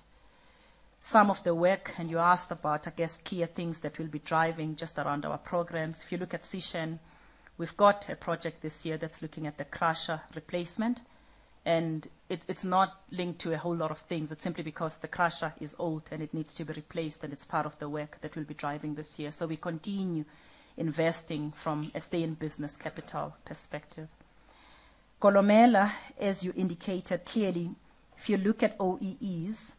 Some of the work, you asked about, I guess, clear things that will be driving just around our programs. If you look at Sishen, we've got a project this year that's looking at the crusher replacement, and it's not linked to a whole lot of things. It's simply because the crusher is old and it needs to be replaced, and it's part of the work that will be driving this year. We continue investing from a stay-in-business capital perspective. Kolomela, as you indicated, clearly, if you look at OEEs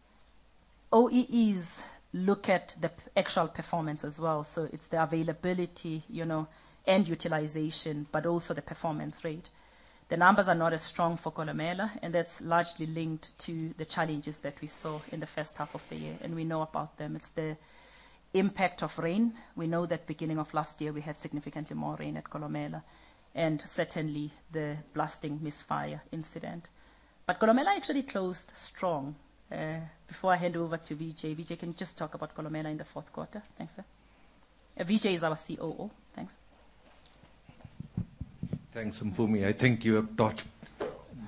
look at the actual performance as well. It's the availability and utilization, but also the performance rate. The numbers are not as strong for Kolomela. That's largely linked to the challenges that we saw in the first half of the year. We know about them. It's the impact of rain. We know that beginning of last year, we had significantly more rain at Kolomela and certainly the blasting misfire incident. Kolomela actually closed strong. Before I hand over to Vijay, can you just talk about Kolomela in the fourth quarter? Thanks, sir. Vijay is our COO. Thanks. Thanks, Mpumi. I think you have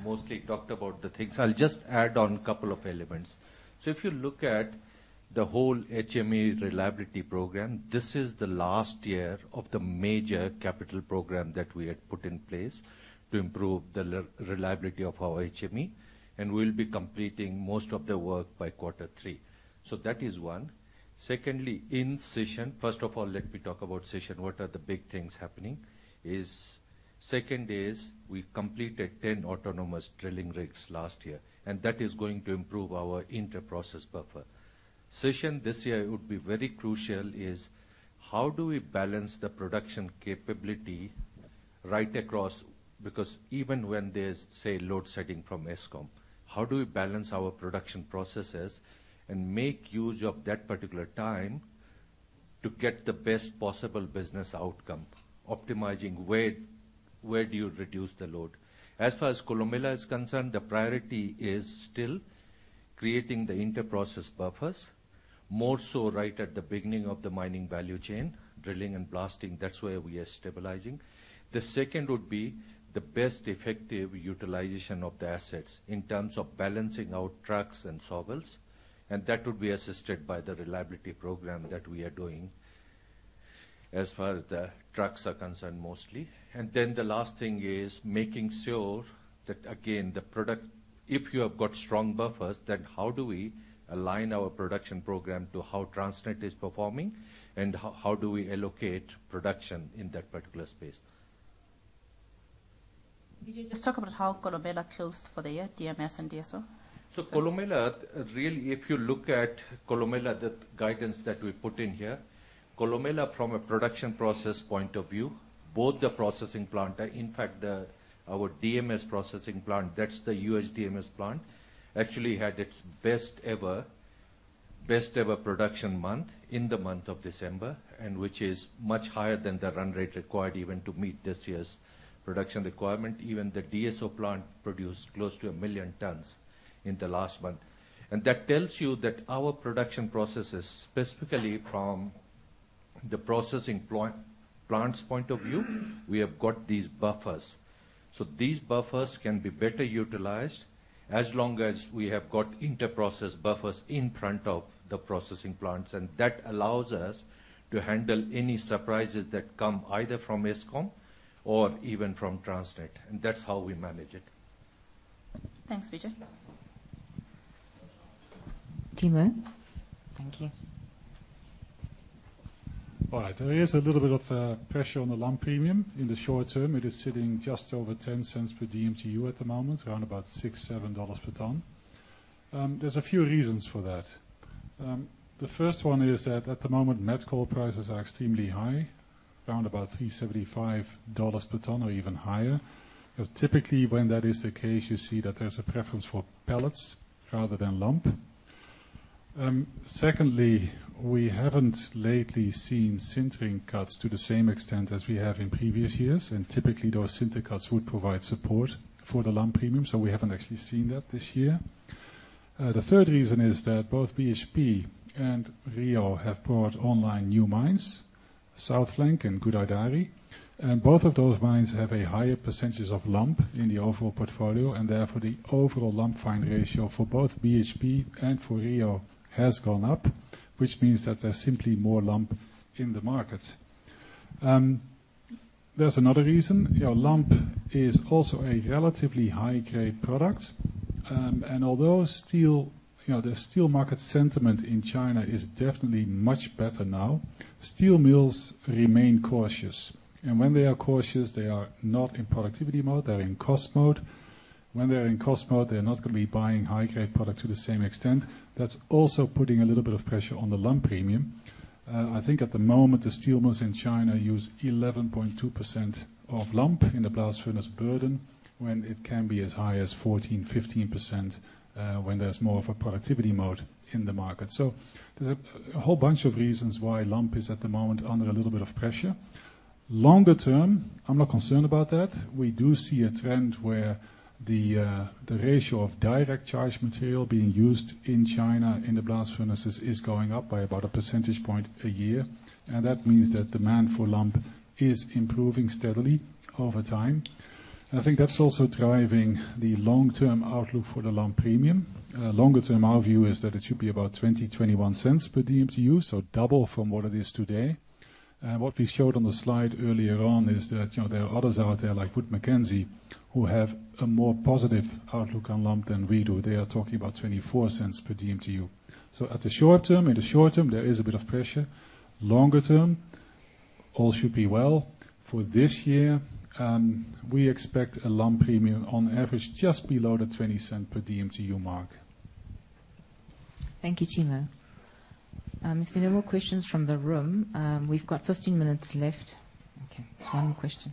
mostly talked about the things. I'll just add on a couple of elements. If you look at the whole HME reliability program, this is the last year of the major capital program that we had put in place to improve the reliability of our HME, and we'll be completing most of the work by quarter three. That is one. Secondly, in Sishen, first of all, let me talk about Sishen. What are the big things happening? Second is we completed 10 autonomous drilling rigs last year, and that is going to improve our inter-process buffer. Sishen, this year, it would be very crucial is how do we balance the production capability right across because even when there's, say, load setting from Eskom, how do we balance our production processes and make use of that particular time to get the best possible business outcome, optimizing where do you reduce the load? As far as Kolomela is concerned, the priority is still creating the inter-process buffers, more so right at the beginning of the mining value chain, drilling and blasting. That's where we are stabilizing. The second would be the best effective utilization of the assets in terms of balancing out trucks and shovels, that would be assisted by the reliability program that we are doing as far as the trucks are concerned mostly. The last thing is making sure that, again, if you have got strong buffers, then how do we align our production program to how Transnet is performing, and how do we allocate production in that particular space? Vijay, just talk about how Kolomela closed for the year, DMS and DSO. Kolomela, really, if you look at Kolomela, the guidance that we put in here, Kolomela, from a production process point of view, both the processing plant, in fact, our DMS processing plant, that's the UHDMS plant, actually had its best-ever production month in the month of December, which is much higher than the run rate required even to meet this year's production requirement. Even the DSO plant produced close to 1 million tons in the last month. That tells you that our production processes, specifically from the processing plant's point of view, we have got these buffers. These buffers can be better utilized as long as we have got inter-process buffers in front of the processing plants, and that allows us to handle any surprises that come either from Eskom or even from Transnet. That's how we manage it. Thanks, Vijay. Timo. Thank you. All right. There is a little bit of pressure on the lump premium. In the short term, it is sitting just over $0.10 per DMTU at the moment, around about $6-$7 per ton. There's a few reasons for that. The first one is that at the moment, metcoal prices are extremely high, around about $3.75 per ton or even higher. Typically, when that is the case, you see that there's a preference for pellets rather than lump. Secondly, we haven't lately seen sintering cuts to the same extent as we have in previous years. Typically, those sinter cuts would provide support for the lump premium, we haven't actually seen that this year. The third reason is that both BHP and Rio have brought online new mines, South Flank and Gudai-Darri, and both of those mines have a higher percentage of lump in the overall portfolio, and therefore, the overall lump fine ratio for both BHP and for Rio has gone up, which means that there's simply more lump in the market. There's another reason. Lump is also a relatively high-grade product, and although the steel market sentiment in China is definitely much better now, steel mills remain cautious. When they are cautious, they are not in productivity mode, they're in cost mode. When they're in cost mode, they're not going to be buying high-grade products to the same extent. That's also putting a little bit of pressure on the lump premium. I think at the moment, the steel mills in China use 11.2% of lump in the blast furnace burden when it can be as high as 14%-15% when there's more of a productivity mode in the market. There's a whole bunch of reasons why lump is at the moment under a little bit of pressure. Longer term, I'm not concerned about that. We do see a trend where the ratio of direct charge material being used in China in the blast furnaces is going up by about 1 percentage point a year, and that means that demand for lump is improving steadily over time. I think that's also driving the long-term outlook for the lump premium. Longer term, our view is that it should be about $0.20-$0.21 per DMTU, so double from what it is today. What we showed on the slide earlier on is that there are others out there like Wood Mackenzie who have a more positive outlook on lump than we do. They are talking about $0.24 per DMTU. At the short term, in the short term, there is a bit of pressure. Longer term, all should be well. For this year, we expect a lump premium on average just below the $0.20 per DMTU mark. Thank you, Timo. If there are no more questions from the room, we've got 15 minutes left. Okay, there's one question.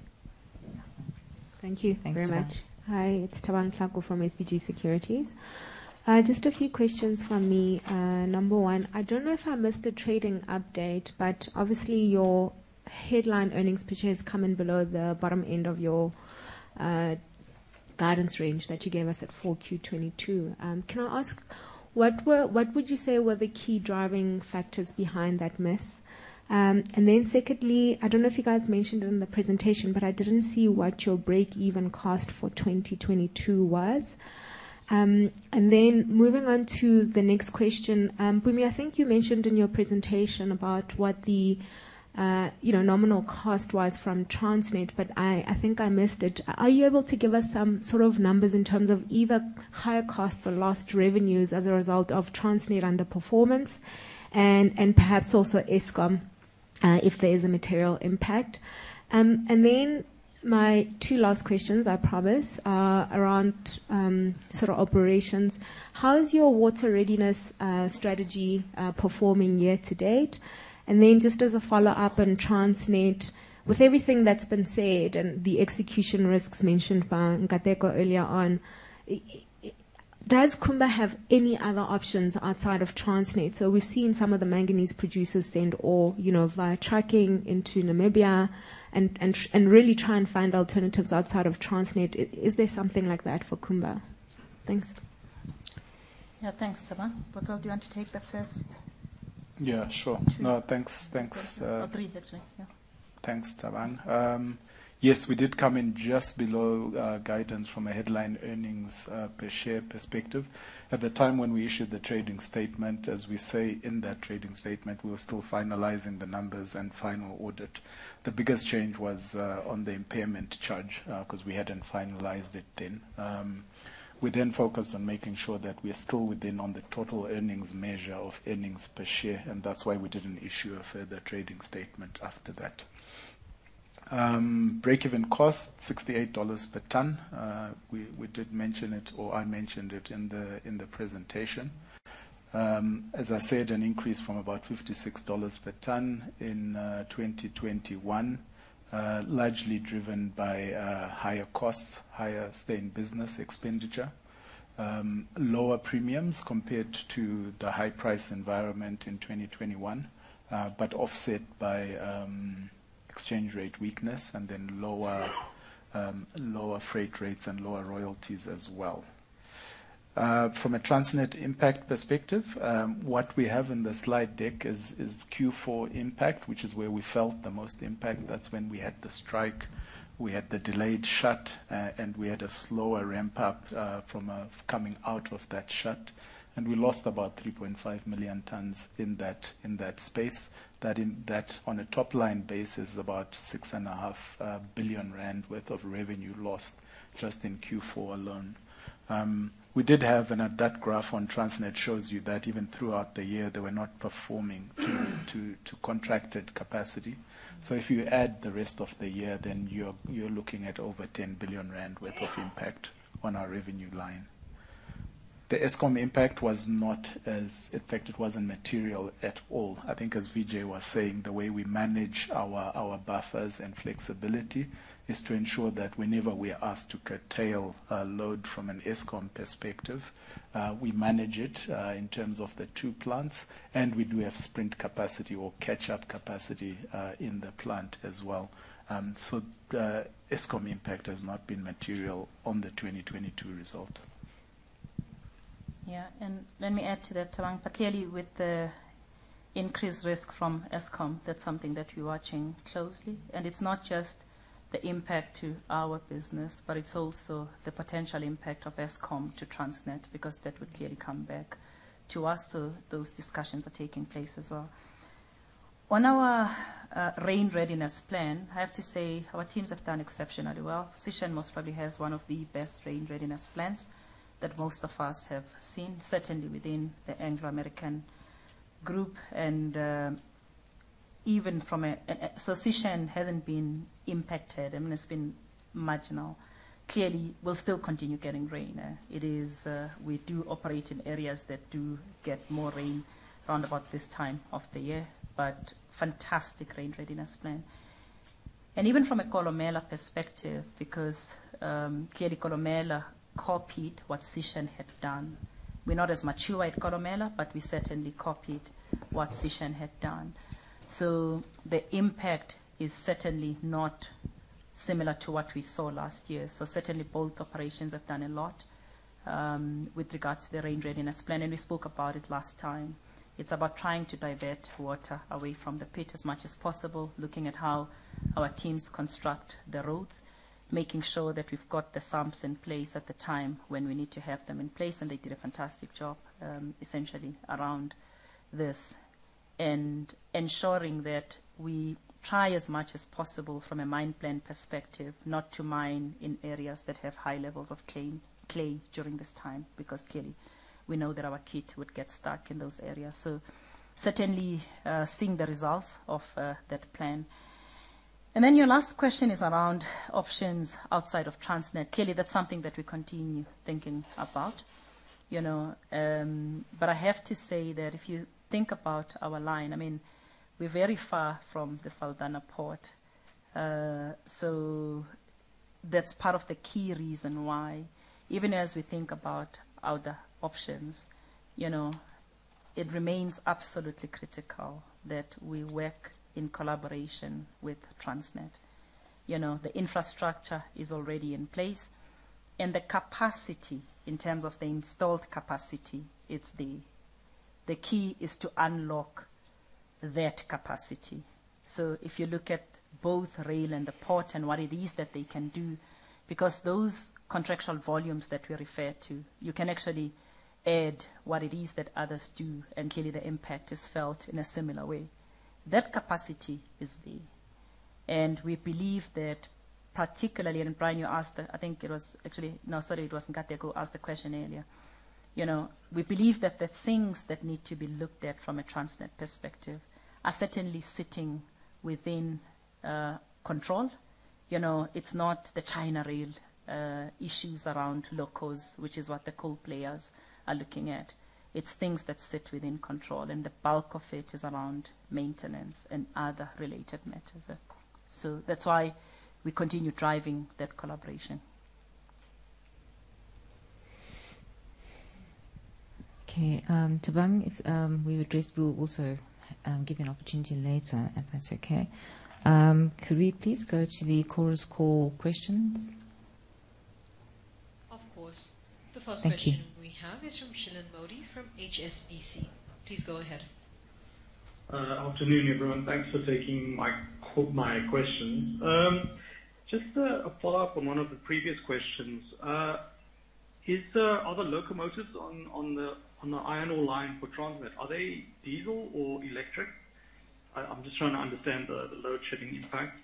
Thank you very much. Thanks very much. Hi, it's Thabang Thlaku from SBG Securities. Just a few questions from me. Number one, I don't know if I missed the trading update, but obviously, your headline earnings picture has come in below the bottom end of your guidance range that you gave us at 4Q 2022. Can I ask, what would you say were the key driving factors behind that miss? Secondly, I don't know if you guys mentioned it in the presentation, but I didn't see what your break-even cost for 2022 was. Moving on to the next question, Mpumi, I think you mentioned in your presentation about what the nominal cost was from Transnet, but I think I missed it. Are you able to give us some sort of numbers in terms of either higher costs or lost revenues as a result of Transnet underperformance and perhaps also Eskom if there is a material impact? My two last questions, I promise, are around sort of operations. How is your water readiness strategy performing year-to-date? Just as a follow-up on Transnet, with everything that's been said and the execution risks mentioned by Ngateko earlier on, does Kumba have any other options outside of Transnet? We've seen some of the manganese producers send ore via tracking into Namibia and really try and find alternatives outside of Transnet. Is there something like that for Kumba? Thanks. Yeah, thanks, Thabang. Bothwell, do you want to take the first? Yeah, sure. Thanks. Thanks. Three, actually. Yeah. Thanks, Thabang. Yes, we did come in just below guidance from a headline earnings per share perspective. At the time when we issued the trading statement, as we say in that trading statement, we were still finalizing the numbers and final audit. The biggest change was on the impairment charge because we hadn't finalized it then. We focused on making sure that we are still within on the total earnings measure of earnings per share, and that's why we didn't issue a further trading statement after that. Break-even cost, $68 per ton. We did mention it, or I mentioned it in the presentation. As I said, an increase from about $56 per ton in 2021, largely driven by higher costs, higher stay-in-business expenditure, lower premiums compared to the high-price environment in 2021, but offset by exchange rate weakness and then lower freight rates and lower royalties as well. From a Transnet impact perspective, what we have in the slide deck is Q4 impact, which is where we felt the most impact. That's when we had the strike. We had the delayed shut, and we had a slower ramp-up from coming out of that shut, and we lost about 3.5 million tons in that space. That, on a top-line basis, is about 6.5 billion rand worth of revenue lost just in Q4 alone. We did have. That graph on Transnet shows you that even throughout the year, they were not performing to contracted capacity. If you add the rest of the year, then you're looking at over 10 billion rand worth of impact on our revenue line. The Eskom impact was not as in fact, it wasn't material at all. I think, as Vijay was saying, the way we manage our buffers and flexibility is to ensure that whenever we are asked to curtail a load from an Eskom perspective, we manage it in terms of the two plants, and we do have sprint capacity or catch-up capacity in the plant as well. Eskom impact has not been material on the 2022 result. Yeah. Let me add to that, Thabang, clearly, with the increased risk from Eskom, that's something that we're watching closely. It's not just the impact to our business, but it's also the potential impact of Eskom to Transnet because that would clearly come back to us. Those discussions are taking place as well. On our rain readiness plan, I have to say our teams have done exceptionally well. Sishen most probably has one of the best rain readiness plans that most of us have seen, certainly within the Anglo American group. Even from a Sishen hasn't been impacted. I mean, it's been marginal. Clearly, we'll still continue getting rain. We do operate in areas that do get more rain around about this time of the year, fantastic rain readiness plan. Even from a Kolomela perspective, because clearly, Kolomela copied what Sishen had done. We're not as mature at Kolomela, we certainly copied what Sishen had done. The impact is certainly not similar to what we saw last year. Certainly, both operations have done a lot with regards to the rain readiness plan. We spoke about it last time. It's about trying to divert water away from the pit as much as possible, looking at how our teams construct the roads, making sure that we've got the sump in place at the time when we need to have them in place. They did a fantastic job, essentially, around this, and ensuring that we try as much as possible from a mine plan perspective not to mine in areas that have high levels of clay during this time because clearly, we know that our kit would get stuck in those areas. Certainly, seeing the results of that plan. Your last question is around options outside of Transnet. Clearly, that's something that we continue thinking about. I have to say that if you think about our line, I mean, we're very far from the Saldanha port. That's part of the key reason why, even as we think about other options, it remains absolutely critical that we work in collaboration with Transnet. The infrastructure is already in place, and the capacity, in terms of the installed capacity, the key is to unlock that capacity. If you look at both rail and the port and what it is that they can do because those contractual volumes that we refer to, you can actually add what it is that others do, and clearly, the impact is felt in a similar way. That capacity is there. We believe that, particularly and Brian, you asked I think it was actually no, sorry, it wasn't Ngateko who asked the question earlier. We believe that the things that need to be looked at from a Transnet perspective are certainly sitting within control. It's not the China rail issues around locos, which is what the coal players are looking at. It's things that sit within control, and the bulk of it is around maintenance and other related matters. That's why we continue driving that collaboration. Okay. Thabang, if we've addressed, we'll also give you an opportunity later, if that's okay. Could we please go to the Chorus Call questions? Of course. The first question we have is from Shilan Modi from HSBC. Please go ahead. Afternoon, everyone. Thanks for taking my questions. Just a follow-up on one of the previous questions. Are the locomotives on the iron ore line for Transnet, are they diesel or electric? I'm just trying to understand the load-shedding impact.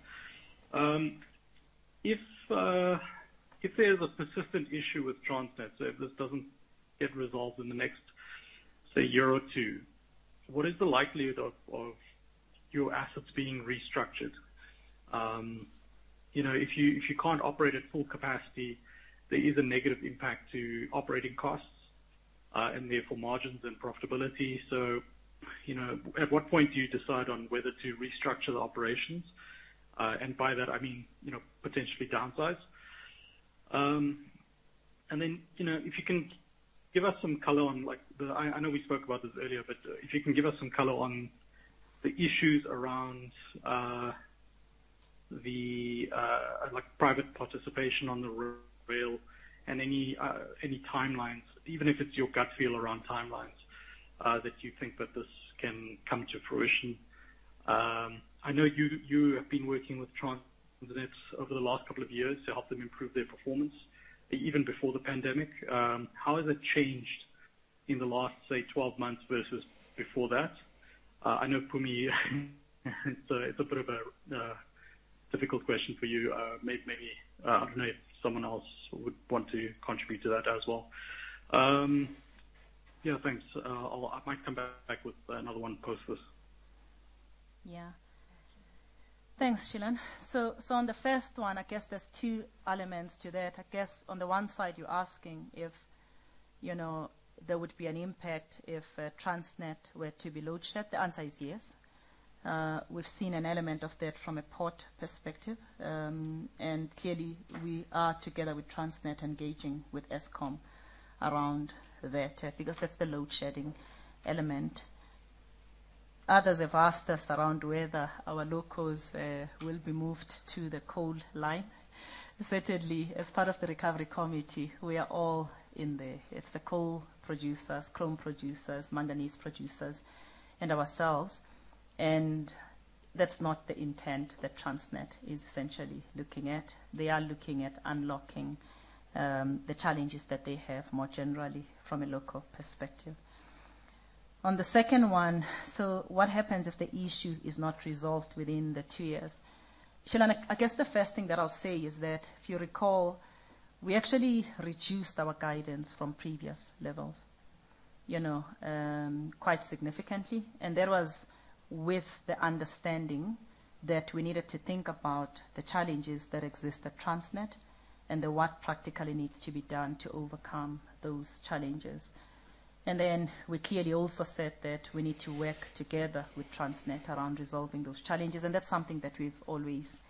If there's a persistent issue with Transnet, if this doesn't get resolved in the next, say, year or two, what is the likelihood of your assets being restructured? If you can't operate at full capacity, there is a negative impact to operating costs and, therefore, margins and profitability. At what point do you decide on whether to restructure the operations? And by that, I mean potentially downsize. Then if you can give us some color on I know we spoke about this earlier, but if you can give us some color on the issues around the private participation on the rail and any timelines, even if it's your gut feel around timelines that you think that this can come to fruition. I know you have been working with Transnet over the last couple of years to help them improve their performance even before the pandemic. How has that changed in the last, say, 12 months versus before that? I know, Mpumi, it's a bit of a difficult question for you. Maybe I don't know if someone else would want to contribute to that as well. Yeah, thanks. I might come back with another one post this. Yeah. Thanks, Shilan. On the first one, I guess there's two elements to that. I guess on the one side, you're asking if there would be an impact if Transnet were to be load-shedded. The answer is yes. We've seen an element of that from a port perspective. Clearly, we are, together with Transnet, engaging with Eskom around that because that's the load-shedding element. Others have asked us around whether our locos will be moved to the coal line. Certainly, as part of the recovery committee, we are all in there. It's the coal producers, chrome producers, manganese producers, and ourselves. That's not the intent that Transnet is essentially looking at. They are looking at unlocking the challenges that they have more generally from a local perspective. On the second one, what happens if the issue is not resolved within the two years? Shilan, I guess the first thing that I'll say is that, if you recall, we actually reduced our guidance from previous levels quite significantly. That was with the understanding that we needed to think about the challenges that exist at Transnet and what practically needs to be done to overcome those challenges. Then we clearly also said that we need to work together with Transnet around resolving those challenges. That's something that we've always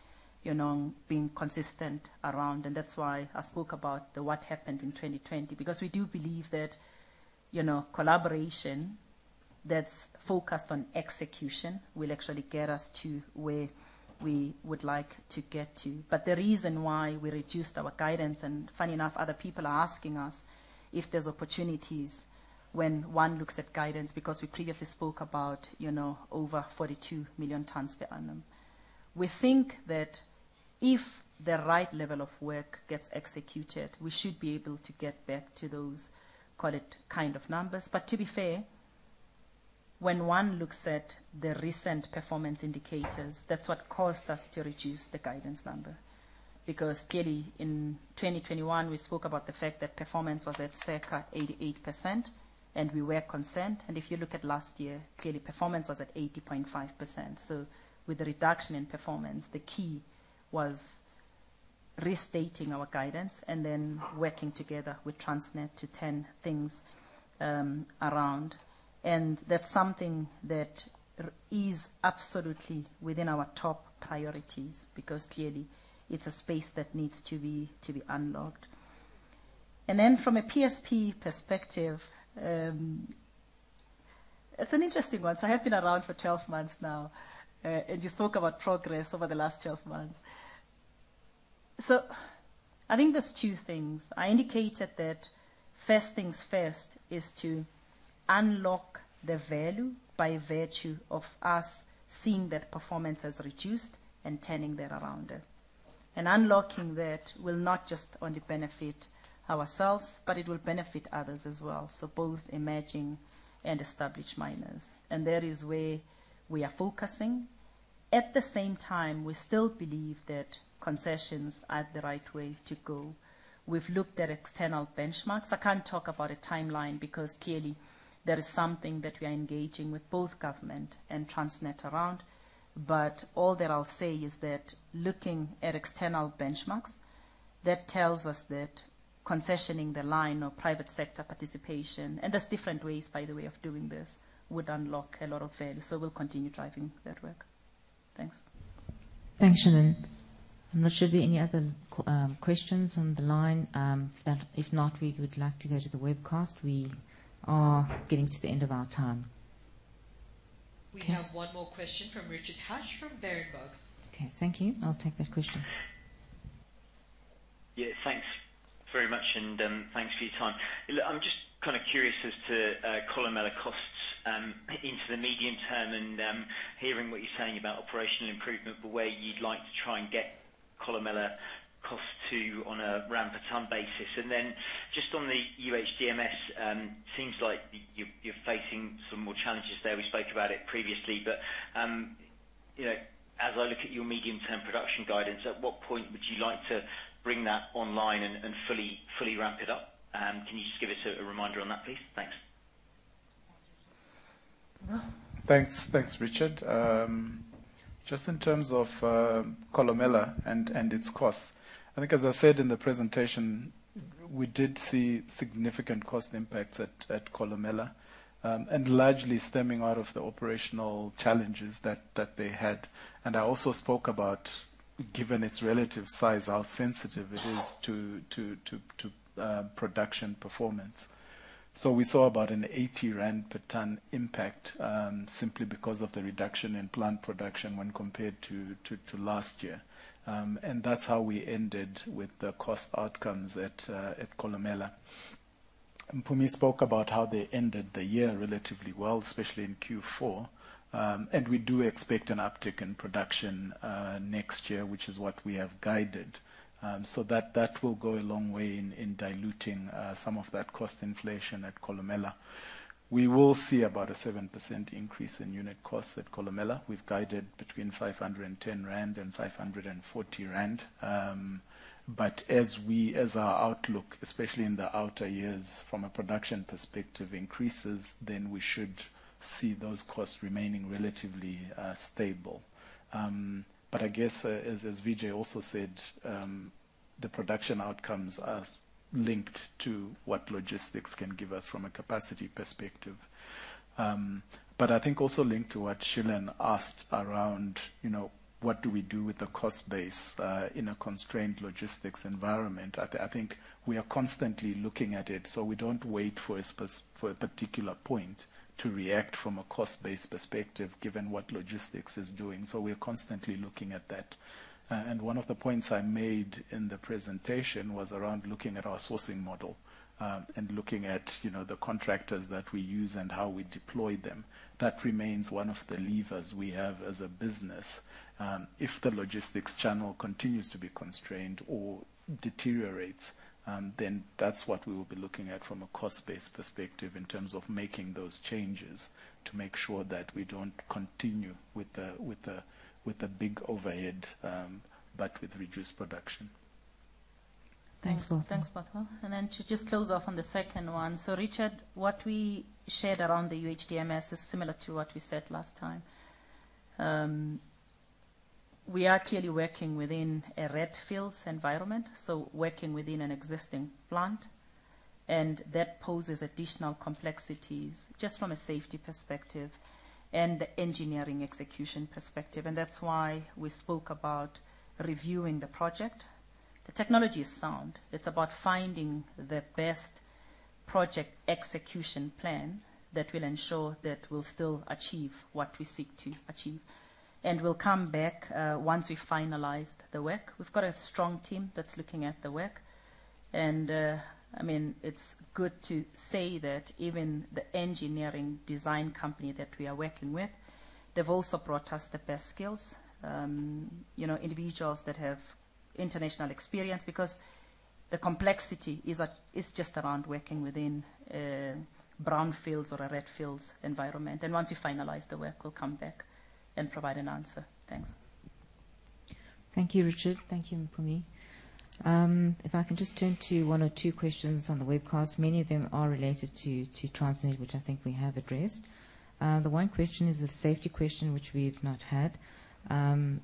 been consistent around. That's why I spoke about what happened in 2020 because we do believe that collaboration that's focused on execution will actually get us to where we would like to get to. The reason why we reduced our guidance and funny enough, other people are asking us if there's opportunities when one looks at guidance because we previously spoke about over 42 million tons per annum. We think that if the right level of work gets executed, we should be able to get back to those, call it, kind of numbers. To be fair, when one looks at the recent performance indicators, that's what caused us to reduce the guidance number because clearly, in 2021, we spoke about the fact that performance was at circa 88%, and we were consent. If you look at last year, clearly, performance was at 80.5%. With the reduction in performance, the key was restating our guidance and then working together with Transnet to turn things around. That's something that is absolutely within our top priorities because clearly, it's a space that needs to be unlocked. From a PSP perspective, it's an interesting one. I have been around for 12 months now, and you spoke about progress over the last 12 months. I think there's two things. I indicated that first things first is to unlock the value by virtue of us seeing that performance has reduced and turning that around. Unlocking that will not just only benefit ourselves, but it will benefit others as well, so both emerging and established miners. That is where we are focusing. At the same time, we still believe that concessions are the right way to go. We've looked at external benchmarks. I can't talk about a timeline because clearly, there is something that we are engaging with both government and Transnet around. All that I'll say is that looking at external benchmarks, that tells us that concessioning the line or private sector participation and there's different ways, by the way, of doing this would unlock a lot of value. We'll continue driving that work. Thanks. Thanks, Shilan. I'm not sure if there are any other questions on the line. If not, we would like to go to the webcast. We are getting to the end of our time. We have one more question from Richard Hatch from Berenberg. Okay. Thank you. I'll take that question. Thanks very much, and thanks for your time. Look, I'm just kind of curious as to Kolomela costs into the medium term and hearing what you're saying about operational improvement, the way you'd like to try and get Kolomela costs to on a ramp-a-ton basis. Then just on the UHDMS, it seems like you're facing some more challenges there. We spoke about it previously. As I look at your medium-term production guidance, at what point would you like to bring that online and fully ramp it up? Can you just give us a reminder on that, please? Thanks. Thanks, Richard. Just in terms of Kolomela and its costs, I think, as I said in the presentation, we did see significant cost impacts at Kolomela and largely stemming out of the operational challenges that they had. I also spoke about, given its relative size, how sensitive it is to production performance. We saw about a 80 rand per ton impact simply because of the reduction in plant production when compared to last year. That's how we ended with the cost outcomes at Kolomela. Pumi spoke about how they ended the year relatively well, especially in Q4. We do expect an uptick in production next year, which is what we have guided. That will go a long way in diluting some of that cost inflation at Kolomela. We will see about a 7% increase in unit costs at Kolomela. We've guided between 510 rand and 540 rand. As our outlook, especially in the outer years from a production perspective, increases, then we should see those costs remaining relatively stable. I guess, as Vijay also said, the production outcomes are linked to what logistics can give us from a capacity perspective, but I think also linked to what Shilan asked around what do we do with the cost base in a constrained logistics environment. I think we are constantly looking at it. We don't wait for a particular point to react from a cost-based perspective given what logistics is doing. We are constantly looking at that. One of the points I made in the presentation was around looking at our sourcing model and looking at the contractors that we use and how we deploy them. That remains one of the levers we have as a business. If the logistics channel continues to be constrained or deteriorates, then that's what we will be looking at from a cost-based perspective in terms of making those changes to make sure that we don't continue with a big overhead but with reduced production. Thanks, both. Thanks, Bothwell. Then to just close off on the second one. Richard, what we shared around the UHDMS is similar to what we said last time. We are clearly working within a brownfields environment, so working within an existing plant. That poses additional complexities just from a safety perspective and the engineering execution perspective. That's why we spoke about reviewing the project. The technology is sound. It's about finding the best project execution plan that will ensure that we'll still achieve what we seek to achieve and will come back once we finalized the work. We've got a strong team that's looking at the work. I mean, it's good to say that even the engineering design company that we are working with, they've also brought us the best skills, individuals that have international experience because the complexity is just around working within brownfields or a redfields environment. Once you finalize the work, we'll come back and provide an answer. Thanks. Thank you, Richard. Thank you, Mpumi. If I can just turn to one or two questions on the webcast, many of them are related to Transnet, which I think we have addressed. The one question is a safety question which we've not had. The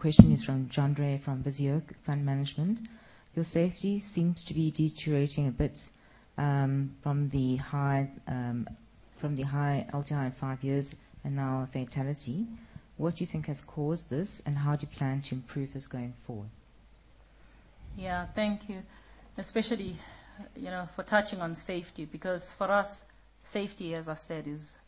question is from John Dreyer from Visio Fund Management. Your safety seems to be deteriorating a bit from the high LTI in five years and now fatality. What do you think has caused this, and how do you plan to improve this going forward? Yeah. Thank you, especially for touching on safety because for us, safety, as I said, is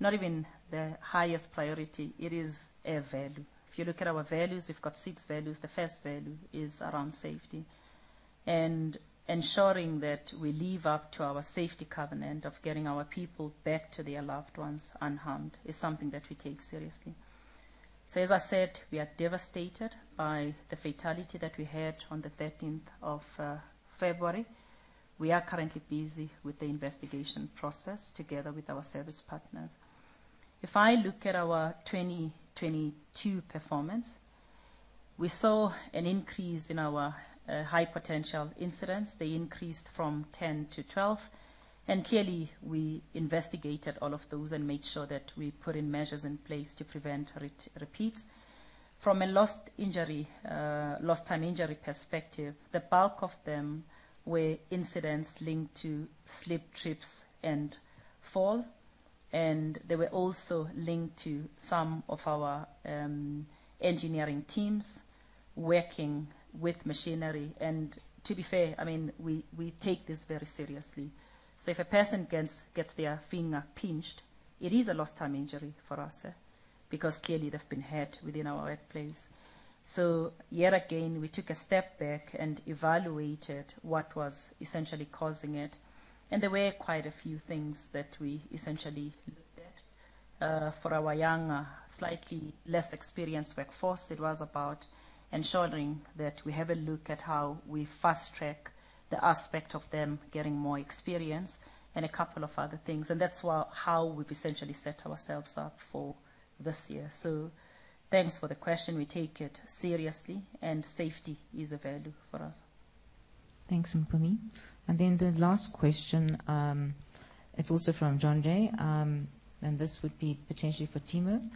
not even the highest priority. It is a value. If you look at our values, we've got six values. The first value is around safety. Ensuring that we live up to our safety covenant of getting our people back to their loved ones unharmed is something that we take seriously. As I said, we are devastated by the fatality that we had on the 13th of February. We are currently busy with the investigation process together with our service partners. If I look at our 2022 performance, we saw an increase in our high-potential incidents. They increased from 10 to 12. Clearly, we investigated all of those and made sure that we put measures in place to prevent repeats. From a lost-time injury perspective, the bulk of them were incidents linked to slip, trips, and fall. They were also linked to some of our engineering teams working with machinery. To be fair, I mean, we take this very seriously. If a person gets their finger pinched, it is a lost-time injury for us because clearly, they've been hit within our workplace. Yet again, we took a step back and evaluated what was essentially causing it. There were quite a few things that we essentially looked at. For our younger, slightly less experienced workforce, it was about ensuring that we have a look at how we fast-track the aspect of them getting more experience and a couple of other things. That's how we've essentially set ourselves up for this year. Thanks for the question. We take it seriously, and safety is a value for us. Thanks, Mpumi. The last question, it's also from John Dre, and this would be potentially for Timo.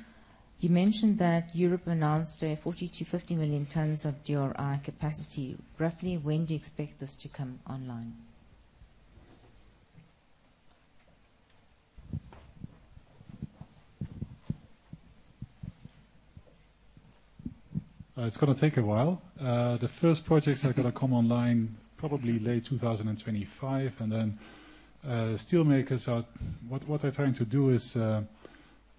You mentioned that Europe announced 40 million-50 million tons of DRI capacity. Roughly, when do you expect this to come online? It's going to take a while. The first projects are going to come online probably late 2025. Steelmakers are what they're trying to do is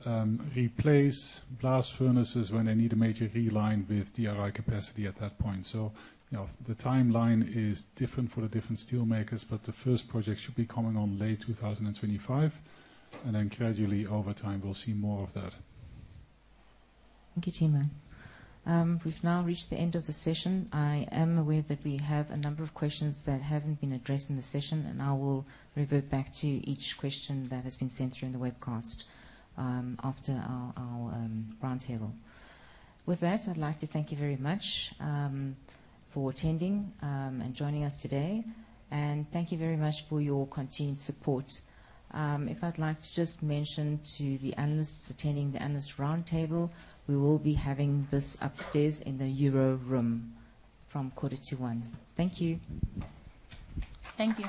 replace blast furnaces when they need a major reline with DRI capacity at that point. The timeline is different for the different steelmakers, but the first projects should be coming on late 2025. Gradually, over time, we'll see more of that. Thank you, Timo. We've now reached the end of the session. I am aware that we have a number of questions that haven't been addressed in the session, and I will revert back to each question that has been sent through in the webcast after our roundtable. With that, I'd like to thank you very much for attending and joining us today. Thank you very much for your continued support. I'd like to just mention to the analysts attending the analyst roundtable, we will be having this upstairs in the Euro Room from 12:45 P.M. Thank you. Thank you.